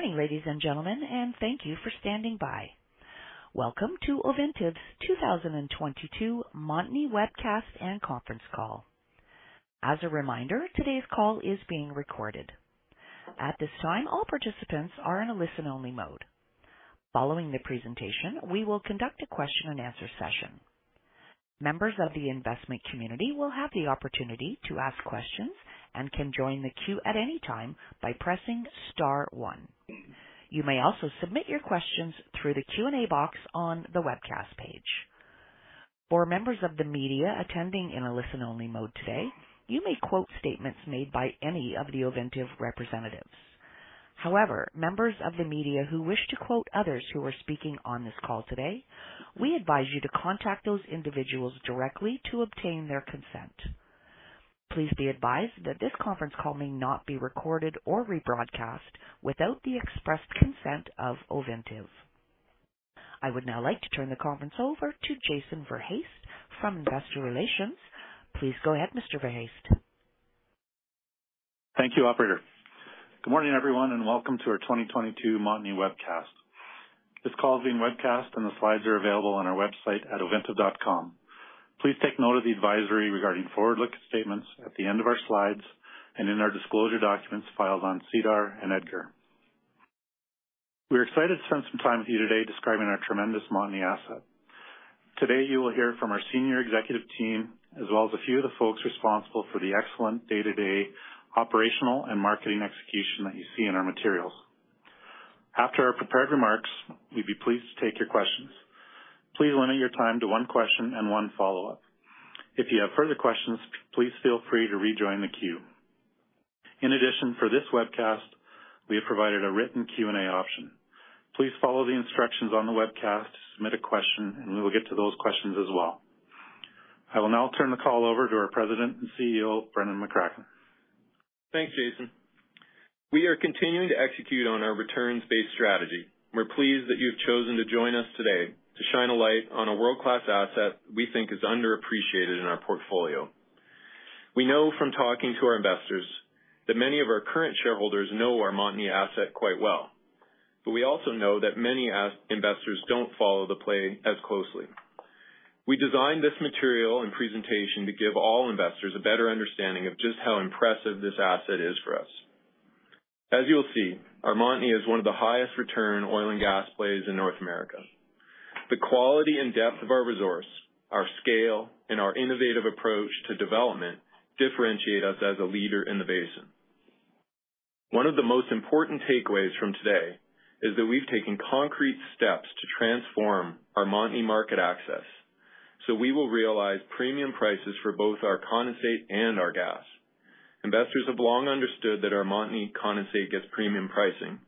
Morning, ladies and gentlemen, and thank you for standing by. Welcome to Ovintiv's 2022 Montney Webcast and Conference Call. As a reminder, today's call is being recorded. At this time, all participants are in a listen-only mode. Following the presentation, we will conduct a question-and-answer session. Members of the investment community will have the opportunity to ask questions and can join the queue at any time by pressing star one. You may also submit your questions through the Q&A box on the webcast page. For members of the media attending in a listen-only mode today, you may quote statements made by any of the Ovintiv representatives. However, members of the media who wish to quote others who are speaking on this call today, we advise you to contact those individuals directly to obtain their consent. Please be advised that this conference call may not be recorded or rebroadcast without the expressed consent of Ovintiv. I would now like to turn the conference over to Jason Verhaest from Investor Relations. Please go ahead, Mr. Verhaest. Thank you, Operator. Good morning, everyone, and welcome to our 2022 Montney Webcast. This call is being webcast, and the slides are available on our website at ovintiv.com. Please take note of the advisory regarding forward-looking statements at the end of our slides and in our disclosure documents filed on SEDAR and EDGAR. We're excited to spend some time with you today describing our tremendous Montney asset. Today, you will hear from our senior executive team as well as a few of the folks responsible for the excellent day-to-day operational and marketing execution that you see in our materials. After our prepared remarks, we'd be pleased to take your questions. Please limit your time to one question and one follow-up. If you have further questions, please feel free to rejoin the queue. In addition, for this webcast, we have provided a written Q&A option. Please follow the instructions on the webcast to submit a question, and we will get to those questions as well. I will now turn the call over to our President and CEO, Brendan McCracken. Thanks, Jason. We are continuing to execute on our returns-based strategy. We're pleased that you've chosen to join us today to shine a light on a world-class asset we think is underappreciated in our portfolio. We know from talking to our investors that many of our current shareholders know our Montney asset quite well, but we also know that many investors don't follow the play as closely. We designed this material and presentation to give all investors a better understanding of just how impressive this asset is for us. As you'll see, our Montney is one of the highest return oil and gas plays in North America. The quality and depth of our resource, our scale, and our innovative approach to development differentiate us as a leader in the basin. One of the most important takeaways from today is that we've taken concrete steps to transform our Montney market access so we will realize premium prices for both our condensate and our gas. Investors have long understood that our Montney condensate gets premium pricing, and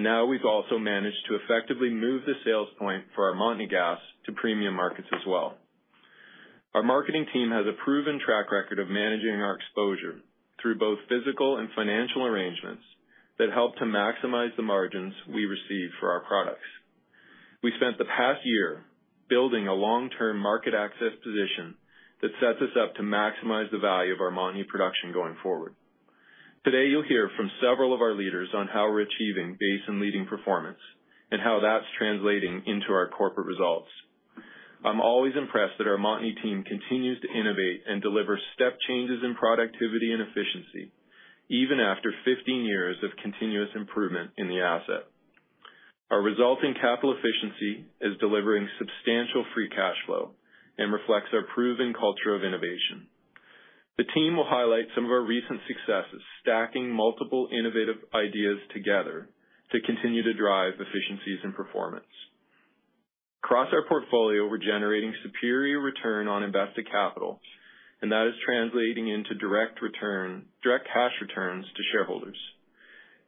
now we've also managed to effectively move the sales point for our Montney gas to premium markets as well. Our marketing team has a proven track record of managing our exposure through both physical and financial arrangements that help to maximize the margins we receive for our products. We spent the past year building a long-term market access position that sets us up to maximize the value of our Montney production going forward. Today, you'll hear from several of our leaders on how we're achieving basin-leading performance and how that's translating into our corporate results. I'm always impressed that our Montney team continues to innovate and deliver step changes in productivity and efficiency even after 15 years of continuous improvement in the asset. Our resulting capital efficiency is delivering substantial free cash flow and reflects our proven culture of innovation. The team will highlight some of our recent successes stacking multiple innovative ideas together to continue to drive efficiencies and performance. Across our portfolio, we're generating superior return on invested capital, and that is translating into direct cash returns to shareholders.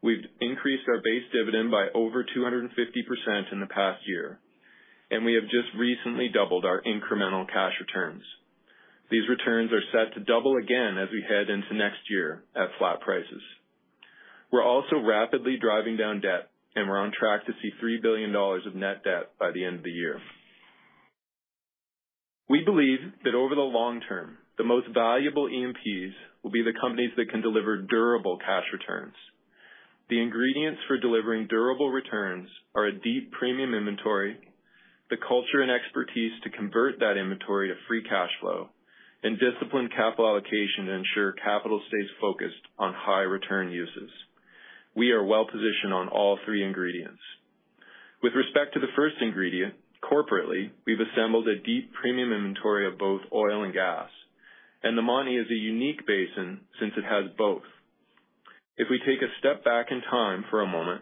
We've increased our base dividend by over 250% in the past year, and we have just recently doubled our incremental cash returns. These returns are set to double again as we head into next year at flat prices. We're also rapidly driving down debt, and we're on track to see $3 billion of net debt by the end of the year. We believe that over the long term, the most valuable E&Ps will be the companies that can deliver durable cash returns. The ingredients for delivering durable returns are a deep premium inventory, the culture and expertise to convert that inventory to free cash flow, and disciplined capital allocation to ensure capital stays focused on high return uses. We are well-positioned on all three ingredients. With respect to the first ingredient, corporately, we've assembled a deep premium inventory of both oil and gas, and the Montney is a unique basin since it has both. If we take a step back in time for a moment,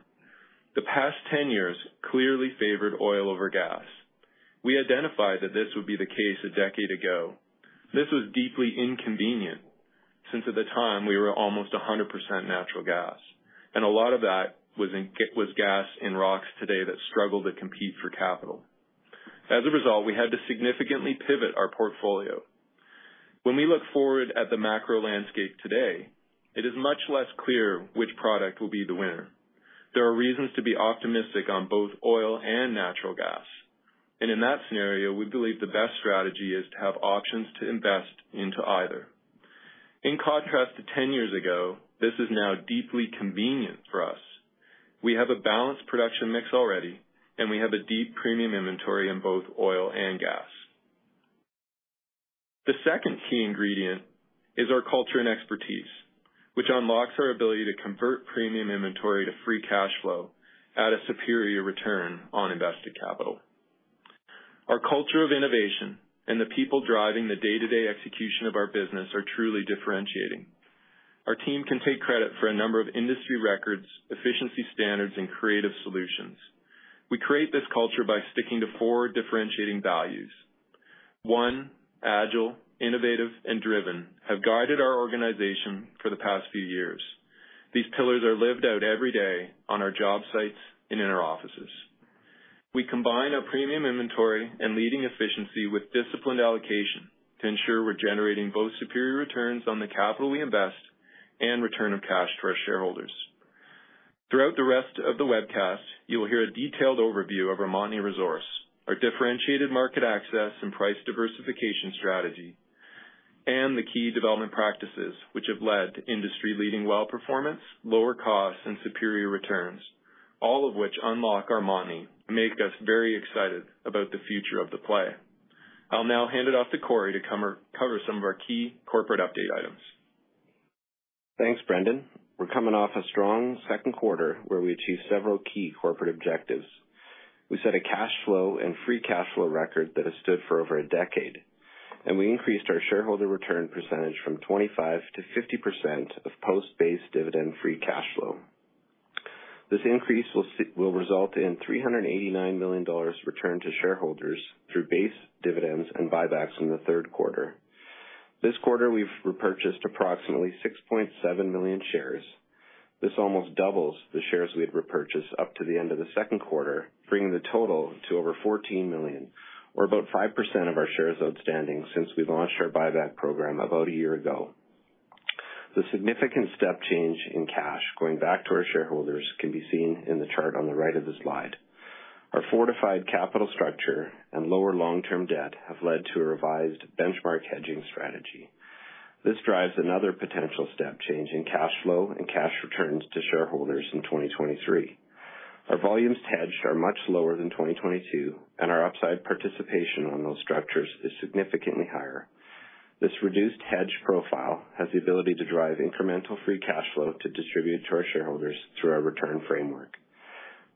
the past 10 years clearly favored oil over gas. We identified that this would be the case a decade ago. This was deeply inconvenient since at the time we were almost 100% natural gas, and a lot of that was gas in rocks today that struggled to compete for capital. As a result, we had to significantly pivot our portfolio. When we look forward at the macro landscape today, it is much less clear which product will be the winner. There are reasons to be optimistic on both oil and natural gas, and in that scenario, we believe the best strategy is to have options to invest into either. In contrast to 10 years ago, this is now deeply convenient for us. We have a balanced production mix already, and we have a deep premium inventory in both oil and gas. The second key ingredient is our culture and expertise, which unlocks our ability to convert premium inventory to free cash flow at a superior return on invested capital. Our culture of innovation and the people driving the day-to-day execution of our business are truly differentiating. Our team can take credit for a number of industry records, efficiency standards, and creative solutions. We create this culture by sticking to four differentiating values. One, agile, innovative, and driven have guided our organization for the past few years. These pillars are lived out every day on our job sites and in our offices. We combine our premium inventory and leading efficiency with disciplined allocation to ensure we're generating both superior returns on the capital we invest and return of cash to our shareholders. Throughout the rest of the webcast, you will hear a detailed overview of our Montney resource, our differentiated market access and price diversification strategy, and the key development practices which have led to industry-leading well-performance, lower costs, and superior returns, all of which unlock our Montney and make us very excited about the future of the play. I'll now hand it off to Corey to cover some of our key corporate update items. Thanks, Brendan. We're coming off a strong second quarter where we achieved several key corporate objectives. We set a cash flow and free cash flow record that has stood for over a decade, and we increased our shareholder return percentage from 25%-50% of post-base dividend free cash flow. This increase will result in $389 million return to shareholders through base dividends and buybacks in the third quarter. This quarter, we've repurchased approximately 6.7 million shares. This almost doubles the shares we had repurchased up to the end of the second quarter, bringing the total to over 14 million, or about 5% of our shares outstanding since we launched our buyback program about a year ago. The significant step change in cash going back to our shareholders can be seen in the chart on the right of the slide. Our fortified capital structure and lower long-term debt have led to a revised benchmark hedging strategy. This drives another potential step change in cash flow and cash returns to shareholders in 2023. Our volumes hedged are much lower than 2022, and our upside participation on those structures is significantly higher. This reduced hedge profile has the ability to drive incremental free cash flow to distribute to our shareholders through our return framework.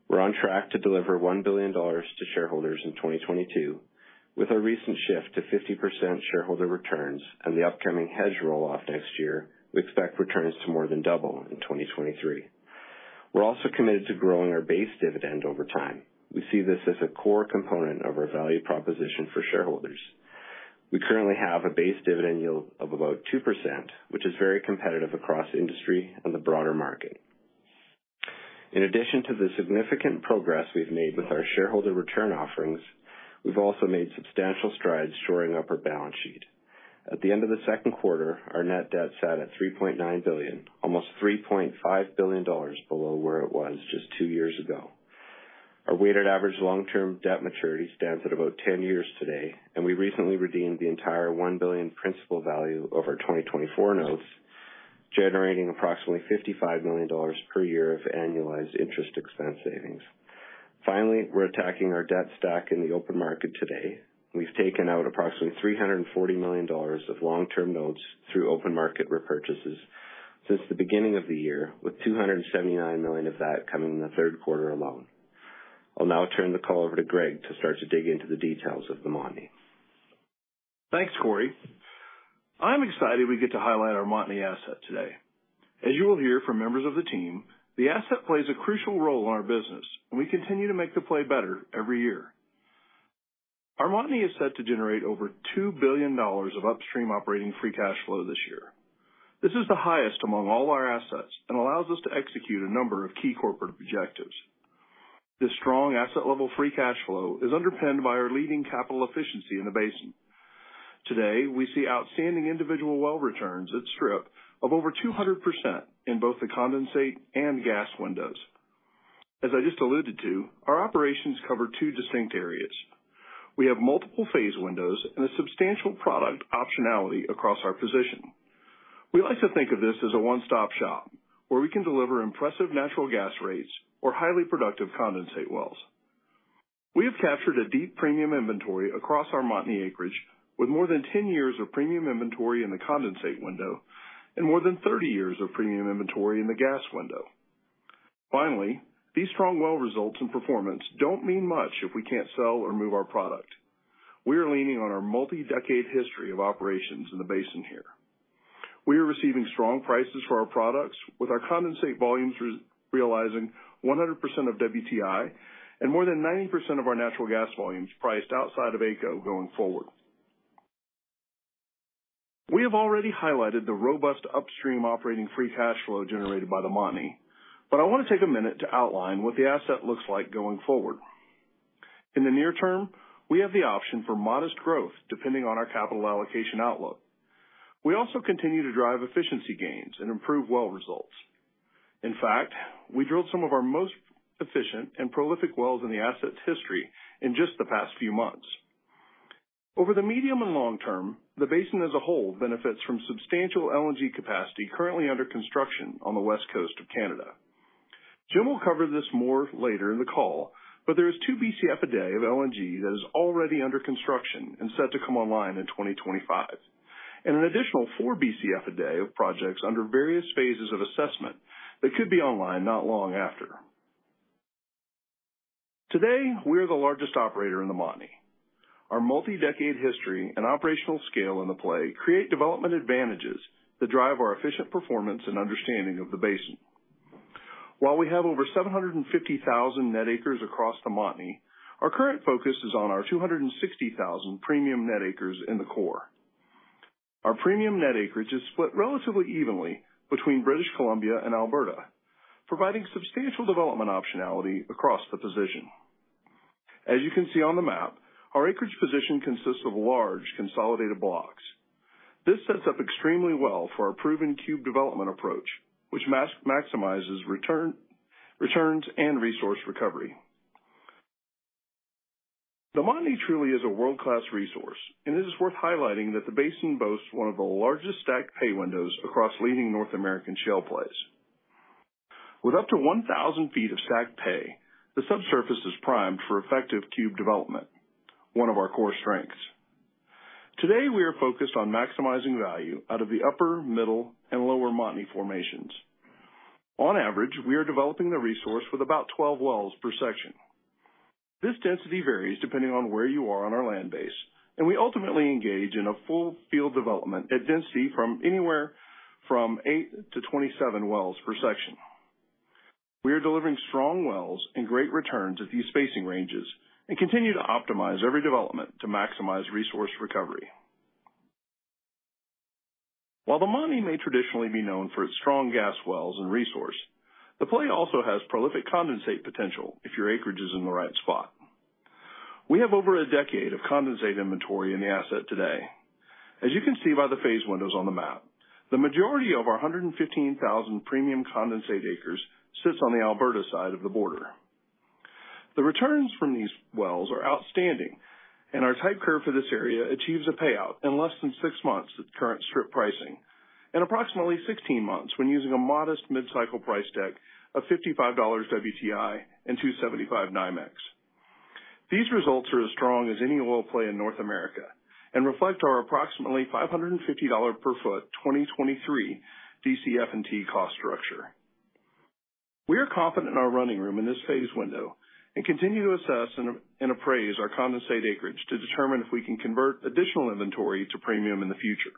We're on track to deliver $1 billion to shareholders in 2022. With our recent shift to 50% shareholder returns and the upcoming hedge roll-off next year, we expect returns to more than double in 2023. We're also committed to growing our base dividend over time. We see this as a core component of our value proposition for shareholders. We currently have a base dividend yield of about 2%, which is very competitive across industry and the broader market. In addition to the significant progress we've made with our shareholder return offerings, we've also made substantial strides in deleveraging our balance sheet. At the end of the second quarter, our net debt sat at $3.9 billion, almost $3.5 billion below where it was just two years ago. Our weighted average long-term debt maturity stands at about 10 years today, and we recently redeemed the entire $1 billion principal value of our 2024 notes, generating approximately $55 million per year of annualized interest expense savings. Finally, we're attacking our debt stack in the open market today. We've taken out approximately $340 million of long-term notes through open market repurchases since the beginning of the year, with $279 million of that coming in the third quarter alone. I'll now turn the call over to Greg to start to dig into the details of the Montney. Thanks, Corey. I'm excited we get to highlight our Montney asset today. As you will hear from members of the team, the asset plays a crucial role in our business, and we continue to make the play better every year. Our Montney is set to generate over $2 billion of upstream operating free cash flow this year. This is the highest among all our assets and allows us to execute a number of key corporate objectives. This strong asset-level free cash flow is underpinned by our leading capital efficiency in the basin. Today, we see outstanding individual well returns at Strip of over 200% in both the condensate and gas windows. As I just alluded to, our operations cover two distinct areas. We have multiple pay windows and a substantial product optionality across our position. We like to think of this as a one-stop shop where we can deliver impressive natural gas rates or highly productive condensate wells. We have captured a deep premium inventory across our Montney acreage with more than 10 years of premium inventory in the condensate window and more than 30 years of premium inventory in the gas window. Finally, these strong well results and performance don't mean much if we can't sell or move our product. We are leaning on our multi-decade history of operations in the basin here. We are receiving strong prices for our products with our condensate volumes realizing 100% of WTI and more than 90% of our natural gas volumes priced outside of AECO going forward. We have already highlighted the robust upstream operating free cash flow generated by the Montney, but I want to take a minute to outline what the asset looks like going forward. In the near term, we have the option for modest growth depending on our capital allocation outlook. We also continue to drive efficiency gains and improve well results. In fact, we drilled some of our most efficient and prolific wells in the asset's history in just the past few months. Over the medium and long term, the basin as a whole benefits from substantial LNG capacity currently under construction on the west coast of Canada. Jim will cover this more later in the call, but there is two BCF a day of LNG that is already under construction and set to come online in 2025, and an additional four BCF a day of projects under various phases of assessment that could be online not long after. Today, we are the largest operator in the Montney. Our multi-decade history and operational scale in the play create development advantages that drive our efficient performance and understanding of the basin. While we have over 750,000 net acres across the Montney, our current focus is on our 260,000 premium net acres in the core. Our premium net acreage is split relatively evenly between British Columbia and Alberta, providing substantial development optionality across the position. As you can see on the map, our acreage position consists of large consolidated blocks. This sets up extremely well for our proven cube development approach, which maximizes returns and resource recovery. The Montney truly is a world-class resource, and it is worth highlighting that the basin boasts one of the largest stacked pay windows across leading North American shale plays. With up to 1,000 feet of stacked pay, the subsurface is primed for effective cube development, one of our core strengths. Today, we are focused on maximizing value out of the upper, middle, and lower Montney formations. On average, we are developing the resource with about 12 wells per section. This density varies depending on where you are on our land base, and we ultimately engage in a full field development at density from anywhere from 8 to 27 wells per section. We are delivering strong wells and great returns at these spacing ranges and continue to optimize every development to maximize resource recovery. While the Montney may traditionally be known for its strong gas wells and resource, the play also has prolific condensate potential if your acreage is in the right spot. We have over a decade of condensate inventory in the asset today. As you can see by the phase windows on the map, the majority of our 115,000 premium condensate acres sits on the Alberta side of the border. The returns from these wells are outstanding, and our tight curve for this area achieves a payout in less than six months at current Strip pricing and approximately 16 months when using a modest mid-cycle price deck of $55 WTI and $2.75 NYMEX. These results are as strong as any oil play in North America and reflect our approximately $550 per foot 2023 DCF&T cost structure. We are confident in our running room in this phase window and continue to assess and appraise our condensate acreage to determine if we can convert additional inventory to premium in the future.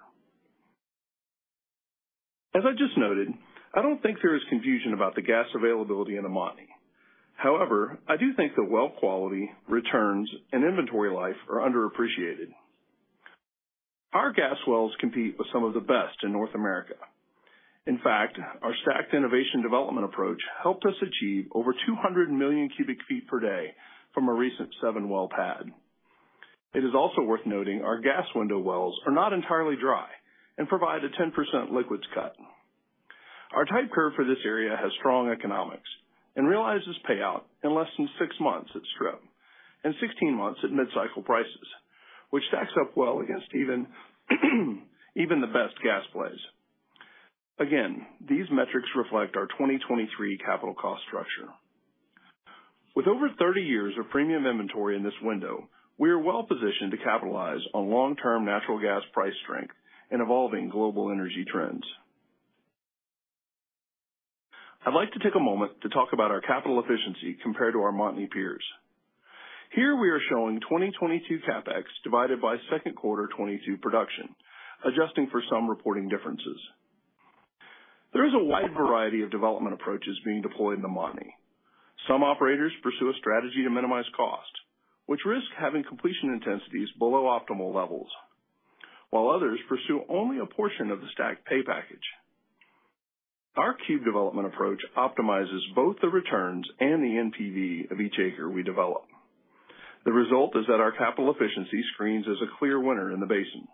As I just noted, I don't think there is confusion about the gas availability in the Montney. However, I do think the well quality, returns, and inventory life are underappreciated. Our gas wells compete with some of the best in North America. In fact, our stacked innovation development approach helped us achieve over 200 million cubic feet per day from a recent seven well pad. It is also worth noting our gas window wells are not entirely dry and provide a 10% liquids cut. Our tight curve for this area has strong economics and realizes payout in less than six months at Strip and 16 months at mid-cycle prices, which stacks up well against even the best gas plays. Again, these metrics reflect our 2023 capital cost structure. With over 30 years of premium inventory in this window, we are well positioned to capitalize on long-term natural gas price strength and evolving global energy trends. I'd like to take a moment to talk about our capital efficiency compared to our Montney peers. Here we are showing 2022 CapEx divided by second quarter 2022 production, adjusting for some reporting differences. There is a wide variety of development approaches being deployed in the Montney. Some operators pursue a strategy to minimize cost, which risks having completion intensities below optimal levels, while others pursue only a portion of the stacked pay package. Our cube development approach optimizes both the returns and the NPV of each acre we develop. The result is that our capital efficiency screens as a clear winner in the basin.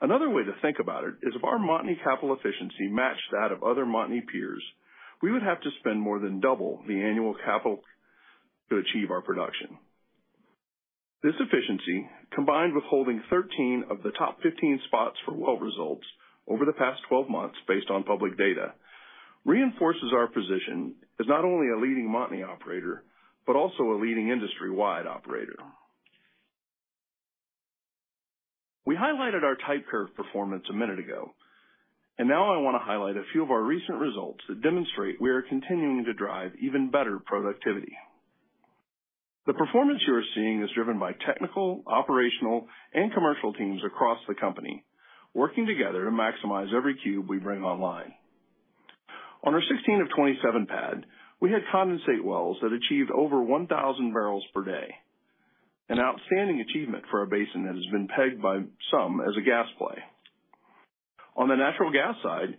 Another way to think about it is if our Montney capital efficiency matched that of other Montney peers, we would have to spend more than double the annual capital to achieve our production. This efficiency, combined with holding 13 of the top 15 spots for well results over the past 12 months based on public data, reinforces our position as not only a leading Montney operator but also a leading industry-wide operator. We highlighted our tight curve performance a minute ago, and now I want to highlight a few of our recent results that demonstrate we are continuing to drive even better productivity. The performance you are seeing is driven by technical, operational, and commercial teams across the company working together to maximize every cube we bring online. On our 16 of 27 pad, we had condensate wells that achieved over 1,000 barrels per day, an outstanding achievement for a basin that has been pegged by some as a gas play. On the natural gas side,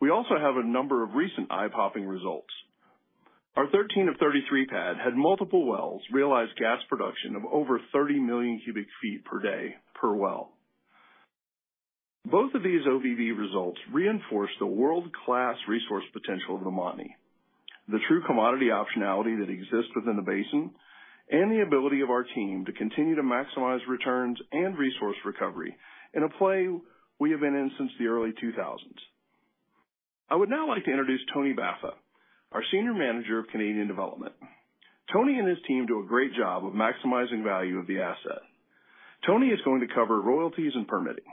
we also have a number of recent eye-popping results. Our 13 of 33 pad had multiple wells realize gas production of over 30 million cubic feet per day per well. Both of these OVV results reinforce the world-class resource potential of the Montney, the true commodity optionality that exists within the basin, and the ability of our team to continue to maximize returns and resource recovery in a play we have been in since the early 2000s. I would now like to introduce Tony Baffa, our Senior Manager of Canadian Development. Tony and his team do a great job of maximizing value of the asset. Tony is going to cover royalties and permitting.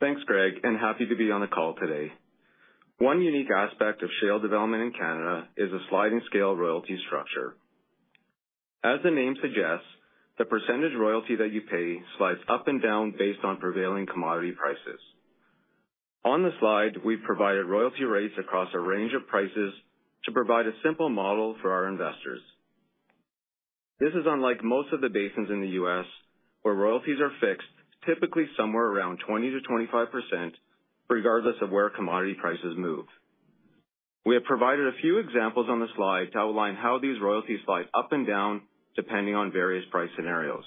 Thanks, Greg, and happy to be on the call today. One unique aspect of shale development in Canada is a sliding scale royalty structure. As the name suggests, the percentage royalty that you pay slides up and down based on prevailing commodity prices. On the slide, we've provided royalty rates across a range of prices to provide a simple model for our investors. This is unlike most of the basins in the U.S. where royalties are fixed, typically somewhere around 20%-25%, regardless of where commodity prices move. We have provided a few examples on the slide to outline how these royalties slide up and down depending on various price scenarios.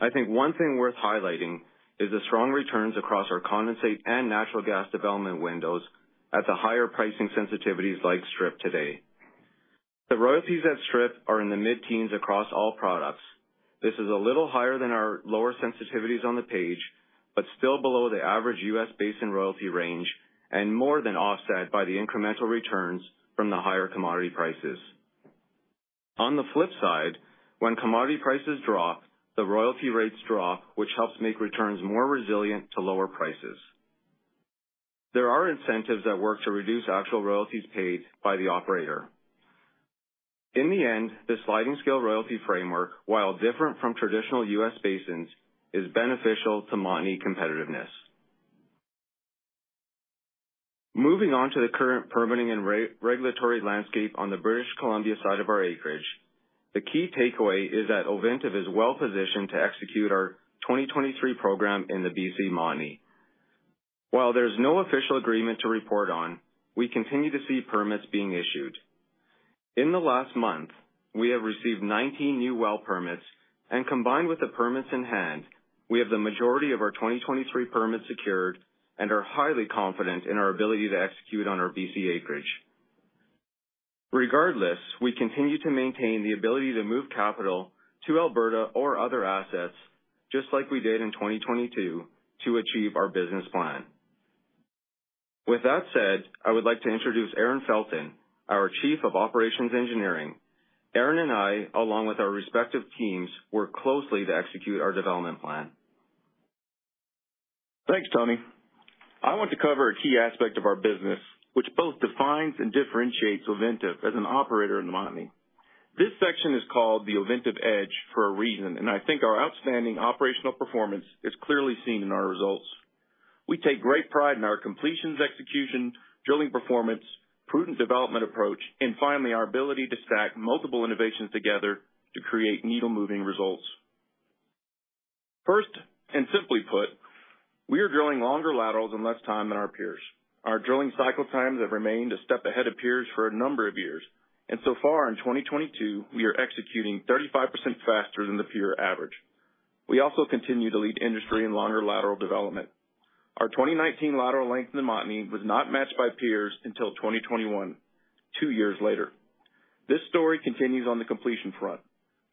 I think one thing worth highlighting is the strong returns across our condensate and natural gas development windows at the higher pricing sensitivities like Strip today. The royalties at Strip are in the mid-teens across all products. This is a little higher than our lower sensitivities on the page, but still below the average U.S. basin royalty range and more than offset by the incremental returns from the higher commodity prices. On the flip side, when commodity prices drop, the royalty rates drop, which helps make returns more resilient to lower prices. There are incentives that work to reduce actual royalties paid by the operator. In the end, the sliding scale royalty framework, while different from traditional U.S. basins, is beneficial to Montney competitiveness. Moving on to the current permitting and regulatory landscape on the British Columbia side of our acreage, the key takeaway is that Ovintiv is well positioned to execute our 2023 program in the BC Montney. While there's no official agreement to report on, we continue to see permits being issued. In the last month, we have received 19 new well permits, and combined with the permits in hand, we have the majority of our 2023 permits secured and are highly confident in our ability to execute on our BC acreage. Regardless, we continue to maintain the ability to move capital to Alberta or other assets, just like we did in 2022 to achieve our business plan. With that said, I would like to introduce Aaron Felton, our Chief of Operations Engineering. Aaron and I, along with our respective teams, work closely to execute our development plan. Thanks, Tony. I want to cover a key aspect of our business, which both defines and differentiates Ovintiv as an operator in the Montney. This section is called the Ovintiv Edge for a reason, and I think our outstanding operational performance is clearly seen in our results. We take great pride in our completions execution, drilling performance, prudent development approach, and finally, our ability to stack multiple innovations together to create needle-moving results. First and simply put, we are drilling longer laterals in less time than our peers. Our drilling cycle times have remained a step ahead of peers for a number of years, and so far in 2022, we are executing 35% faster than the peer average. We also continue to lead industry in longer lateral development. Our 2019 lateral length in the Montney was not matched by peers until 2021, two years later. This story continues on the completion front.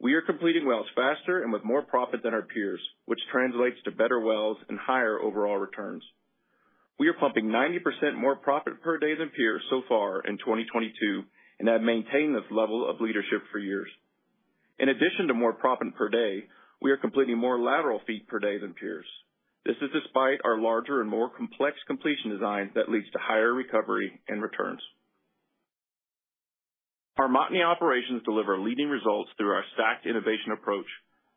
We are completing wells faster and with more profit than our peers, which translates to better wells and higher overall returns. We are pumping 90% more profit per day than peers so far in 2022 and have maintained this level of leadership for years. In addition to more profit per day, we are completing more lateral feet per day than peers. This is despite our larger and more complex completion designs that lead to higher recovery and returns. Our Montney operations deliver leading results through our stacked innovation approach.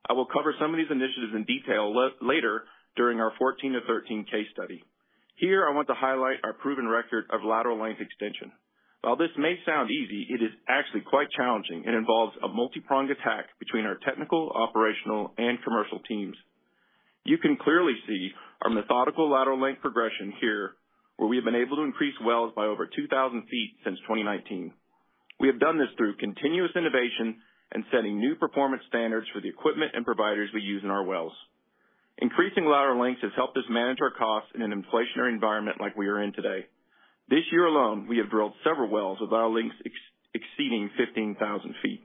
I will cover some of these initiatives in detail later during our 14 of 13 case study. Here, I want to highlight our proven record of lateral length extension. While this may sound easy, it is actually quite challenging and involves a multi-pronged attack between our technical, operational, and commercial teams. You can clearly see our methodical lateral length progression here, where we have been able to increase wells by over 2,000 feet since 2019. We have done this through continuous innovation and setting new performance standards for the equipment and providers we use in our wells. Increasing lateral lengths has helped us manage our costs in an inflationary environment like we are in today. This year alone, we have drilled several wells with our lengths exceeding 15,000 feet.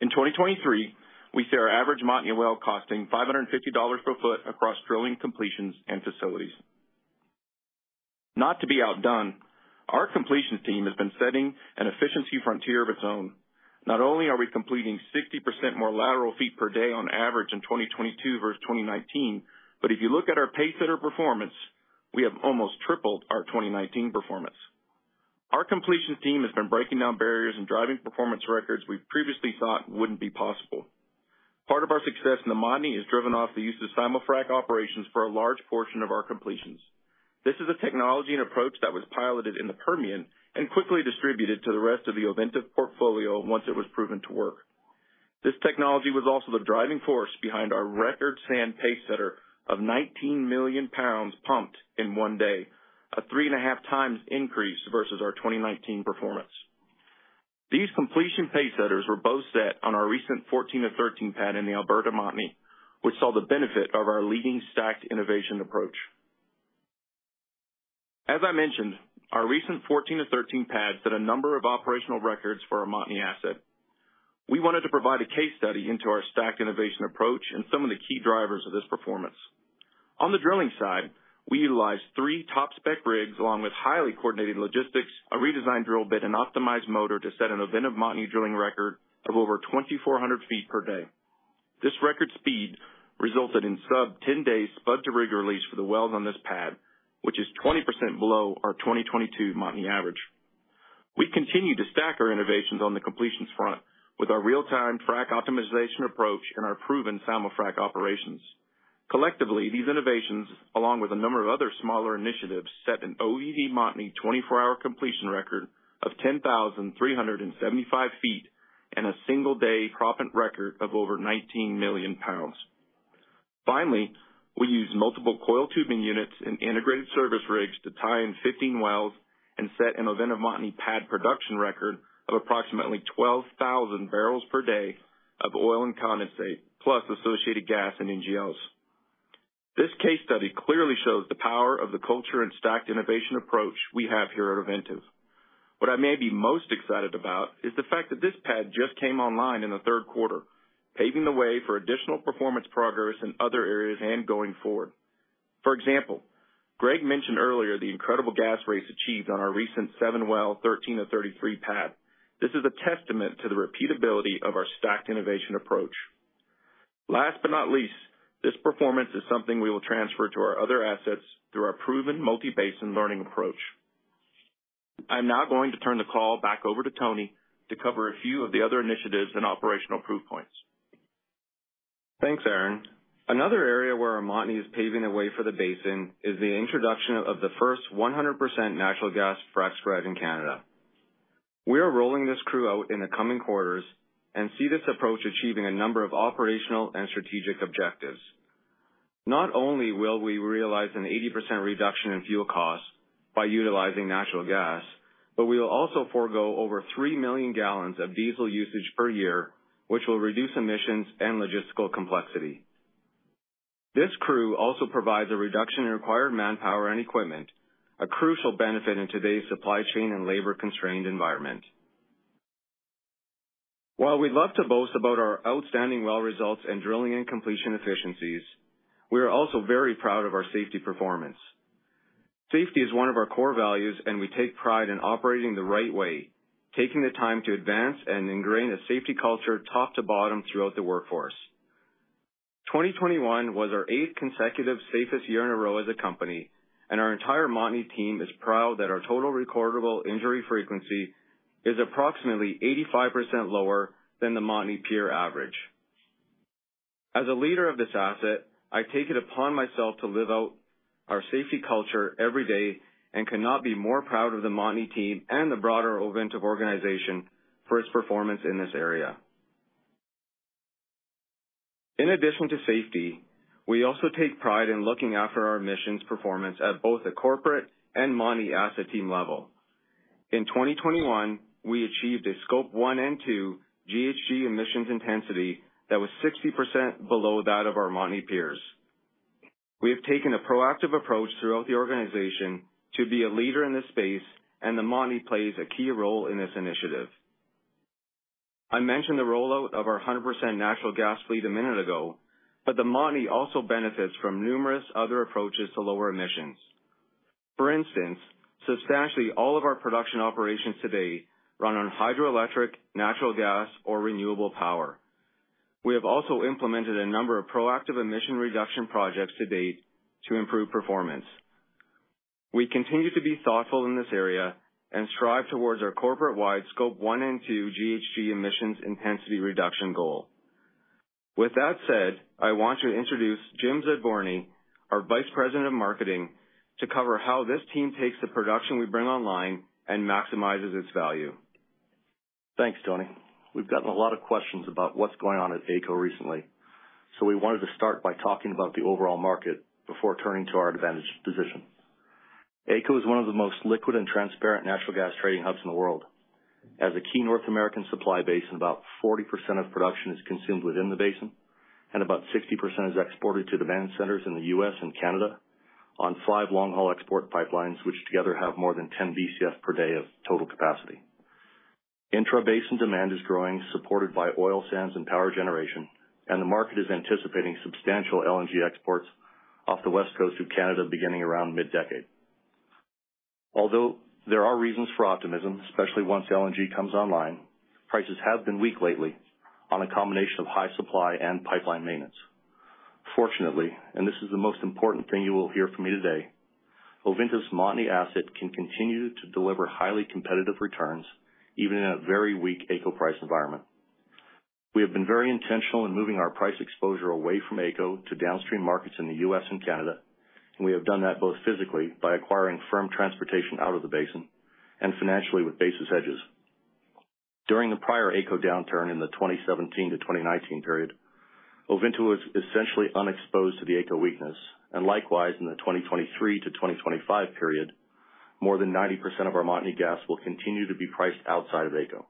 In 2023, we see our average Montney well costing $550 per foot across drilling completions and facilities. Not to be outdone, our completion team has been setting an efficiency frontier of its own. Not only are we completing 60% more lateral feet per day on average in 2022 versus 2019, but if you look at our pace setter performance, we have almost tripled our 2019 performance. Our completion team has been breaking down barriers and driving performance records we previously thought wouldn't be possible. Part of our success in the Montney is driven off the use of simul-frac operations for a large portion of our completions. This is a technology and approach that was piloted in the Permian and quickly distributed to the rest of the Ovintiv portfolio once it was proven to work. This technology was also the driving force behind our record sand pace setter of 19 million pounds pumped in one day, a three and a half times increase versus our 2019 performance. These completion pace setters were both set on our recent 14 of 13 pad in the Alberta Montney, which saw the benefit of our leading stacked innovation approach. As I mentioned, our recent 14 of 13 pads set a number of operational records for our Montney asset. We wanted to provide a case study into our stacked innovation approach and some of the key drivers of this performance. On the drilling side, we utilized three top spec rigs along with highly coordinated logistics, a redesigned drill bit, and optimized motor to set an Ovintiv Montney drilling record of over 2,400 feet per day. This record speed resulted in sub-10 days spud to rig release for the wells on this pad, which is 20% below our 2022 Montney average. We continue to stack our innovations on the completions front with our real-time frac optimization approach and our proven simul frac operations. Collectively, these innovations, along with a number of other smaller initiatives, set an OVV Montney 24-hour completion record of 10,375 feet and a single-day proppant record of over 19 million pounds. Finally, we use multiple coiled tubing units and integrated service rigs to tie in 15 wells and set an Ovintiv Montney pad production record of approximately 12,000 barrels per day of oil and condensate, plus associated gas and NGLs. This case study clearly shows the power of the culture and stacked innovation approach we have here at Ovintiv. What I may be most excited about is the fact that this pad just came online in the third quarter, paving the way for additional performance progress in other areas and going forward. For example, Greg mentioned earlier the incredible gas rates achieved on our recent 7 well 13 of 33 pad. This is a testament to the repeatability of our stacked innovation approach. Last but not least, this performance is something we will transfer to our other assets through our proven multi-basin learning approach. I'm now going to turn the call back over to Tony to cover a few of the other initiatives and operational proof points. Thanks, Aaron. Another area where our Montney is paving the way for the basin is the introduction of the first 100% natural gas frac spread in Canada. We are rolling this crew out in the coming quarters and see this approach achieving a number of operational and strategic objectives. Not only will we realize an 80% reduction in fuel costs by utilizing natural gas, but we will also forgo over three million gallons of diesel usage per year, which will reduce emissions and logistical complexity. This crew also provides a reduction in required manpower and equipment, a crucial benefit in today's supply chain and labor constrained environment. While we'd love to boast about our outstanding well results and drilling and completion efficiencies, we are also very proud of our safety performance. Safety is one of our core values, and we take pride in operating the right way, taking the time to advance and ingrain a safety culture top to bottom throughout the workforce. 2021 was our eighth consecutive safest year in a row as a company, and our entire Montney team is proud that our total recordable injury frequency is approximately 85% lower than the Montney peer average. As a leader of this asset, I take it upon myself to live out our safety culture every day and cannot be more proud of the Montney team and the broader Ovintiv organization for its performance in this area. In addition to safety, we also take pride in looking after our emissions performance at both the corporate and Montney asset team level. In 2021, we achieved a Scope 1 and Scope 2 GHG emissions intensity that was 60% below that of our Montney peers. We have taken a proactive approach throughout the organization to be a leader in this space, and the Montney plays a key role in this initiative. I mentioned the rollout of our 100% natural gas fleet a minute ago, but the Montney also benefits from numerous other approaches to lower emissions. For instance, substantially all of our production operations today run on hydroelectric, natural gas, or renewable power. We have also implemented a number of proactive emission reduction projects to date to improve performance. We continue to be thoughtful in this area and strive towards our corporate-wide scope one and two GHG emissions intensity reduction goal. With that said, I want to introduce Jim Zbierajewski, our Vice President of Marketing, to cover how this team takes the production we bring online and maximizes its value. Thanks, Tony. We've gotten a lot of questions about what's going on at AECO recently, so we wanted to start by talking about the overall market before turning to our advantage position. AECO is one of the most liquid and transparent natural gas trading hubs in the world. As a key North American supply basin, about 40% of production is consumed within the basin, and about 60% is exported to demand centers in the U.S. and Canada on five long-haul export pipelines, which together have more than 10 BCF per day of total capacity. Intra-basin demand is growing, supported by oil sands and power generation, and the market is anticipating substantial LNG exports off the West Coast of Canada beginning around mid-decade. Although there are reasons for optimism, especially once LNG comes online, prices have been weak lately on a combination of high supply and pipeline maintenance. Fortunately, and this is the most important thing you will hear from me today, Ovintiv's Montney asset can continue to deliver highly competitive returns even in a very weak AECO price environment. We have been very intentional in moving our price exposure away from AECO to downstream markets in the U.S. and Canada, and we have done that both physically by acquiring firm transportation out of the basin and financially with basis hedges. During the prior AECO downturn in the 2017-2019 period, Ovintiv was essentially unexposed to the AECO weakness, and likewise in the 2023-2025 period, more than 90% of our Montney gas will continue to be priced outside of AECO.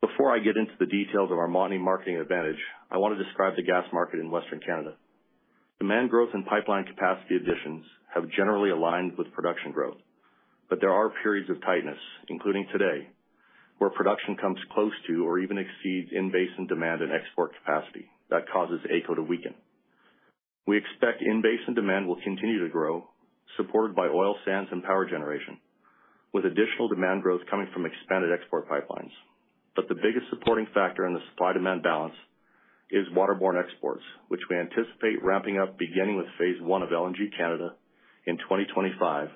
Before I get into the details of our Montney marketing advantage, I want to describe the gas market in Western Canada. Demand growth and pipeline capacity additions have generally aligned with production growth, but there are periods of tightness, including today, where production comes close to or even exceeds in-basin demand and export capacity that causes AECO to weaken. We expect in-basin demand will continue to grow, supported by oil sands and power generation, with additional demand growth coming from expanded export pipelines. But the biggest supporting factor in the supply-demand balance is waterborne exports, which we anticipate ramping up beginning with phase one of LNG Canada in 2025,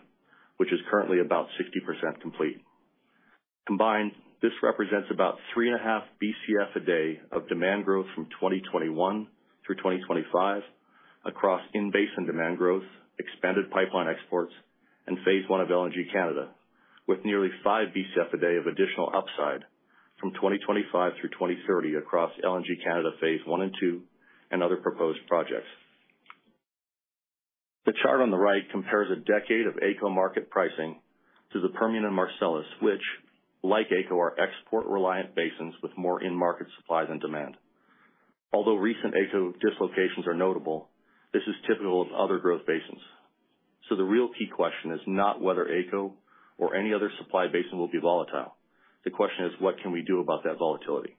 which is currently about 60% complete. Combined, this represents about 3.5 BCF a day of demand growth from 2021 through 2025 across in-basin demand growth, expanded pipeline exports, and phase one of LNG Canada, with nearly 5 BCF a day of additional upside from 2025 through 2030 across LNG Canada phase one and two and other proposed projects. The chart on the right compares a decade of AECO market pricing to the Permian and Marcellus, which, like AECO, are export-reliant basins with more in-market supply than demand. Although recent AECO dislocations are notable, this is typical of other growth basins. So the real key question is not whether AECO or any other supply basin will be volatile. The question is, what can we do about that volatility?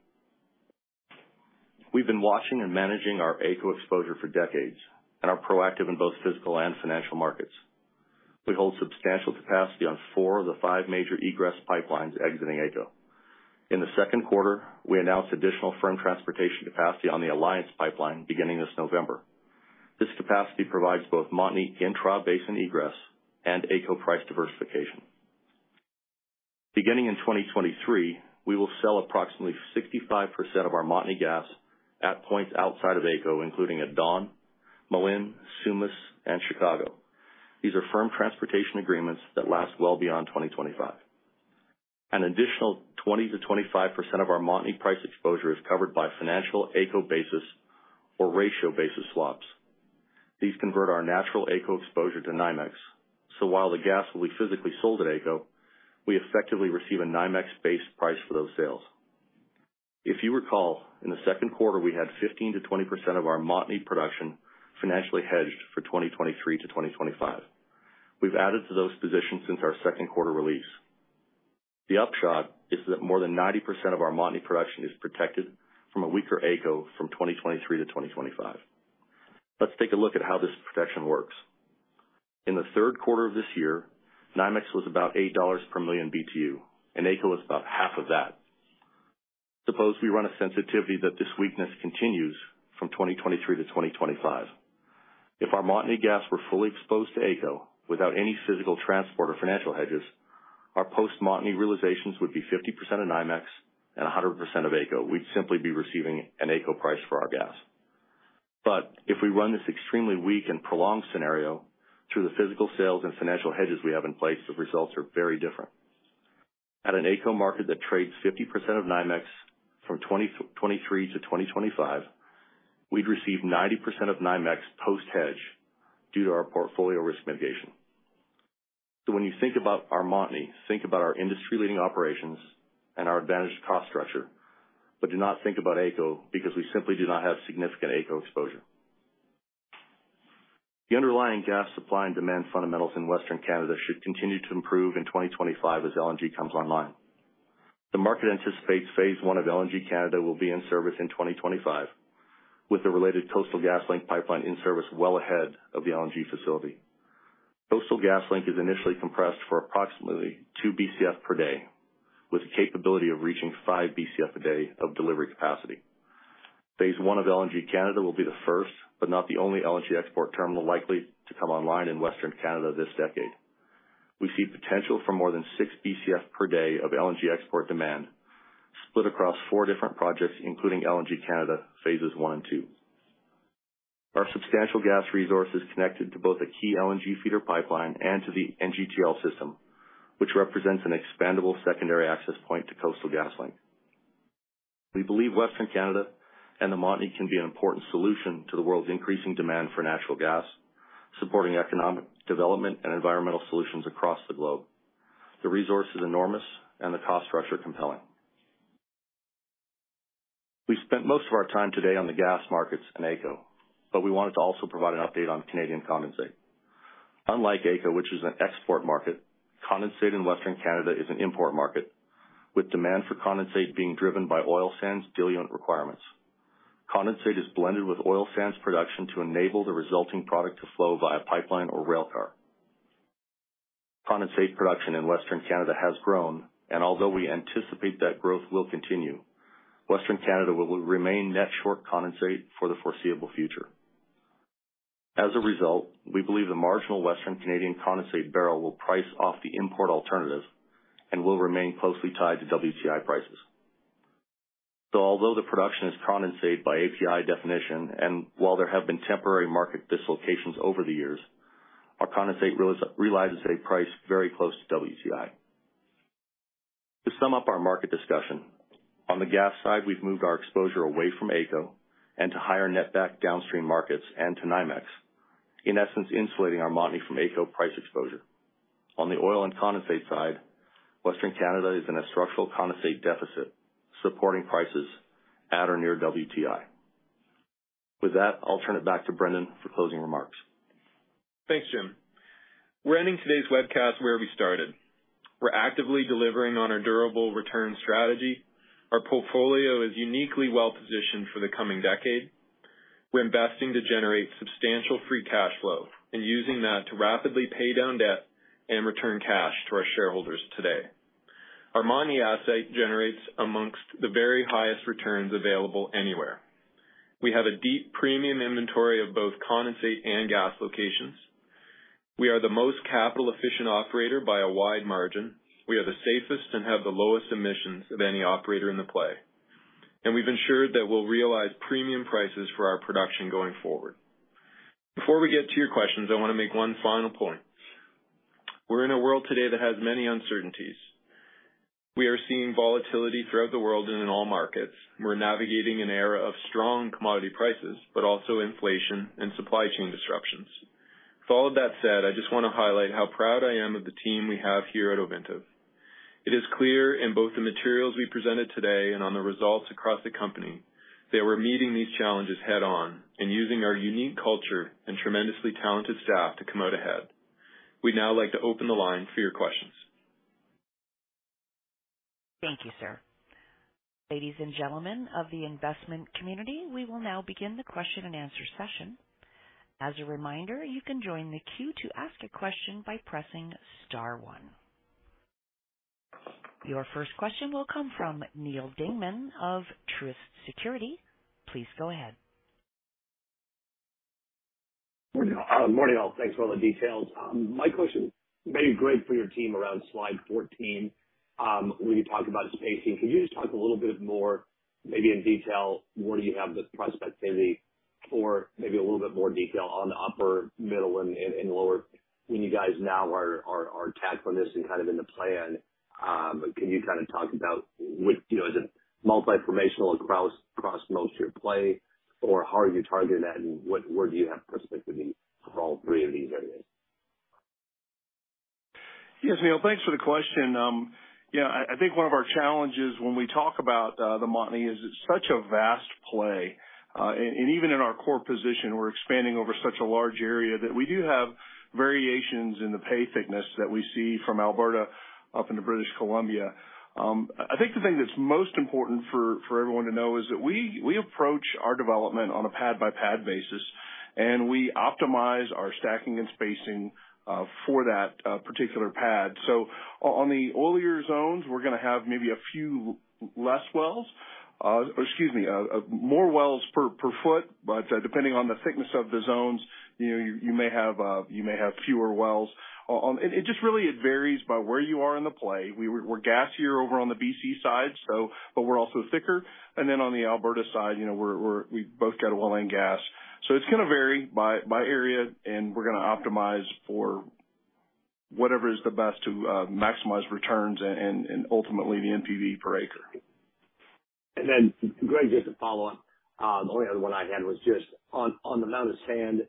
We've been watching and managing our AECO exposure for decades and are proactive in both physical and financial markets. We hold substantial capacity on four of the five major egress pipelines exiting AECO. In the second quarter, we announced additional firm transportation capacity on the Alliance Pipeline beginning this November. This capacity provides both Montney intra-basin egress and AECO price diversification. Beginning in 2023, we will sell approximately 65% of our Montney gas at points outside of AECO, including at Dawn, Malin, Sumas, and Chicago. These are firm transportation agreements that last well beyond 2025. An additional 20%-25% of our Montney price exposure is covered by financial AECO basis or ratio basis swaps. These convert our natural AECO exposure to NYMEX. So while the gas will be physically sold at AECO, we effectively receive a NYMEX-based price for those sales. If you recall, in the second quarter, we had 15%-20% of our Montney production financially hedged for 2023 to 2025. We've added to those positions since our second quarter release. The upshot is that more than 90% of our Montney production is protected from a weaker AECO from 2023 to 2025. Let's take a look at how this protection works. In the third quarter of this year, NYMEX was about $8 per million BTU, and AECO was about half of that. Suppose we run a sensitivity that this weakness continues from 2023 to 2025. If our Montney gas were fully exposed to AECO without any physical transport or financial hedges, our post-Montney realizations would be 50% of NYMEX and 100% of AECO. We'd simply be receiving an AECO price for our gas. But if we run this extremely weak and prolonged scenario through the physical sales and financial hedges we have in place, the results are very different. At an AECO market that trades 50% of NYMEX from 2023 to 2025, we'd receive 90% of NYMEX post-hedge due to our portfolio risk mitigation. So when you think about our Montney, think about our industry-leading operations and our advantage cost structure, but do not think about AECO because we simply do not have significant AECO exposure. The underlying gas supply and demand fundamentals in Western Canada should continue to improve in 2025 as LNG comes online. The market anticipates phase one of LNG Canada will be in service in 2025, with the related Coastal GasLink pipeline in service well ahead of the LNG facility. Coastal GasLink is initially compressed for approximately 2 BCF per day, with the capability of reaching 5 BCF a day of delivery capacity. Phase one of LNG Canada will be the first, but not the only LNG export terminal likely to come online in Western Canada this decade. We see potential for more than 6 BCF per day of LNG export demand split across four different projects, including LNG Canada phases one and two. Our substantial gas resource is connected to both a key LNG feeder pipeline and to the NGTL system, which represents an expandable secondary access point to Coastal GasLink. We believe Western Canada and the Montney can be an important solution to the world's increasing demand for natural gas, supporting economic development and environmental solutions across the globe. The resource is enormous and the cost structure compelling. We spent most of our time today on the gas markets and AECO, but we wanted to also provide an update on Canadian condensate. Unlike AECO, which is an export market, condensate in Western Canada is an import market, with demand for condensate being driven by oil sands diluent requirements. Condensate is blended with oil sands production to enable the resulting product to flow via pipeline or rail car. Condensate production in Western Canada has grown, and although we anticipate that growth will continue, Western Canada will remain net short condensate for the foreseeable future. As a result, we believe the marginal Western Canadian condensate barrel will price off the import alternative and will remain closely tied to WTI prices. So although the production is condensate by API definition, and while there have been temporary market dislocations over the years, our condensate realizes a price very close to WTI. To sum up our market discussion, on the gas side, we've moved our exposure away from AECO and to higher netback downstream markets and to NYMEX, in essence insulating our Montney from AECO price exposure. On the oil and condensate side, Western Canada is in a structural condensate deficit, supporting prices at or near WTI. With that, I'll turn it back to Brendan for closing remarks. Thanks, Jim. We're ending today's webcast where we started. We're actively delivering on our durable return strategy. Our portfolio is uniquely well-positioned for the coming decade. We're investing to generate substantial free cash flow and using that to rapidly pay down debt and return cash to our shareholders today. Our Montney asset generates amongst the very highest returns available anywhere. We have a deep premium inventory of both condensate and gas locations. We are the most capital-efficient operator by a wide margin. We are the safest and have the lowest emissions of any operator in the play, and we've ensured that we'll realize premium prices for our production going forward. Before we get to your questions, I want to make one final point. We're in a world today that has many uncertainties. We are seeing volatility throughout the world and in all markets. We're navigating an era of strong commodity prices, but also inflation and supply chain disruptions. With all of that said, I just want to highlight how proud I am of the team we have here at Ovintiv. It is clear in both the materials we presented today and on the results across the company that we're meeting these challenges head-on and using our unique culture and tremendously talented staff to come out ahead. We'd now like to open the line for your questions. Thank you, sir. Ladies and gentlemen of the investment community, we will now begin the question and answer session. As a reminder, you can join the queue to ask a question by pressing star one. Your first question will come from Neal Dingmann of Truist Securities. Please go ahead. Morning all. Thanks for all the details. My question may be great for your team around slide 14, where you talked about spacing. Could you just talk a little bit more, maybe in detail, where do you have the prospect for maybe a little bit more detail on the upper, middle, and lower? When you guys now are tackling this and kind of in the plan, can you kind of talk about, is it multi-formational across most of your play, or how are you targeting that, and where do you have perspective for all three of these areas? Yes, Neil, thanks for the question. Yeah, I think one of our challenges when we talk about the Montney is it's such a vast play. And even in our core position, we're expanding over such a large area that we do have variations in the pay thickness that we see from Alberta up into British Columbia. I think the thing that's most important for everyone to know is that we approach our development on a pad-by-pad basis, and we optimize our stacking and spacing for that particular pad. So on the earlier zones, we're going to have maybe a few less wells, or excuse me, more wells per foot, but depending on the thickness of the zones, you may have fewer wells. And it just really varies by where you are in the play. We're gassier over on the BC side, but we're also thicker. And then on the Alberta side, we both got oil and gas. So it's going to vary by area, and we're going to optimize for whatever is the best to maximize returns and ultimately the NPV per acre. And then, Greg, just to follow up, the only other one I had was just on the amount of sand.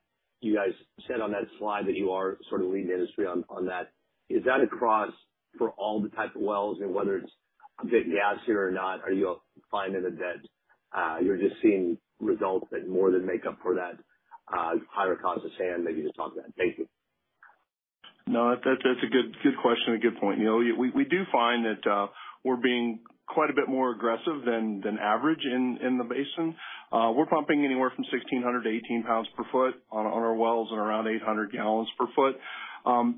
You guys said on that slide that you are sort of leading the industry on that. Is that across for all the type of wells, and whether it's a bit gassier or not, are you finding that you're just seeing results that more than make up for that higher cost of sand that you just talked about? Thank you. No, that's a good question and a good point. We do find that we're being quite a bit more aggressive than average in the basin. We're pumping anywhere from 1,600-1,800 lbs per foot on our wells and around 800 gal per foot.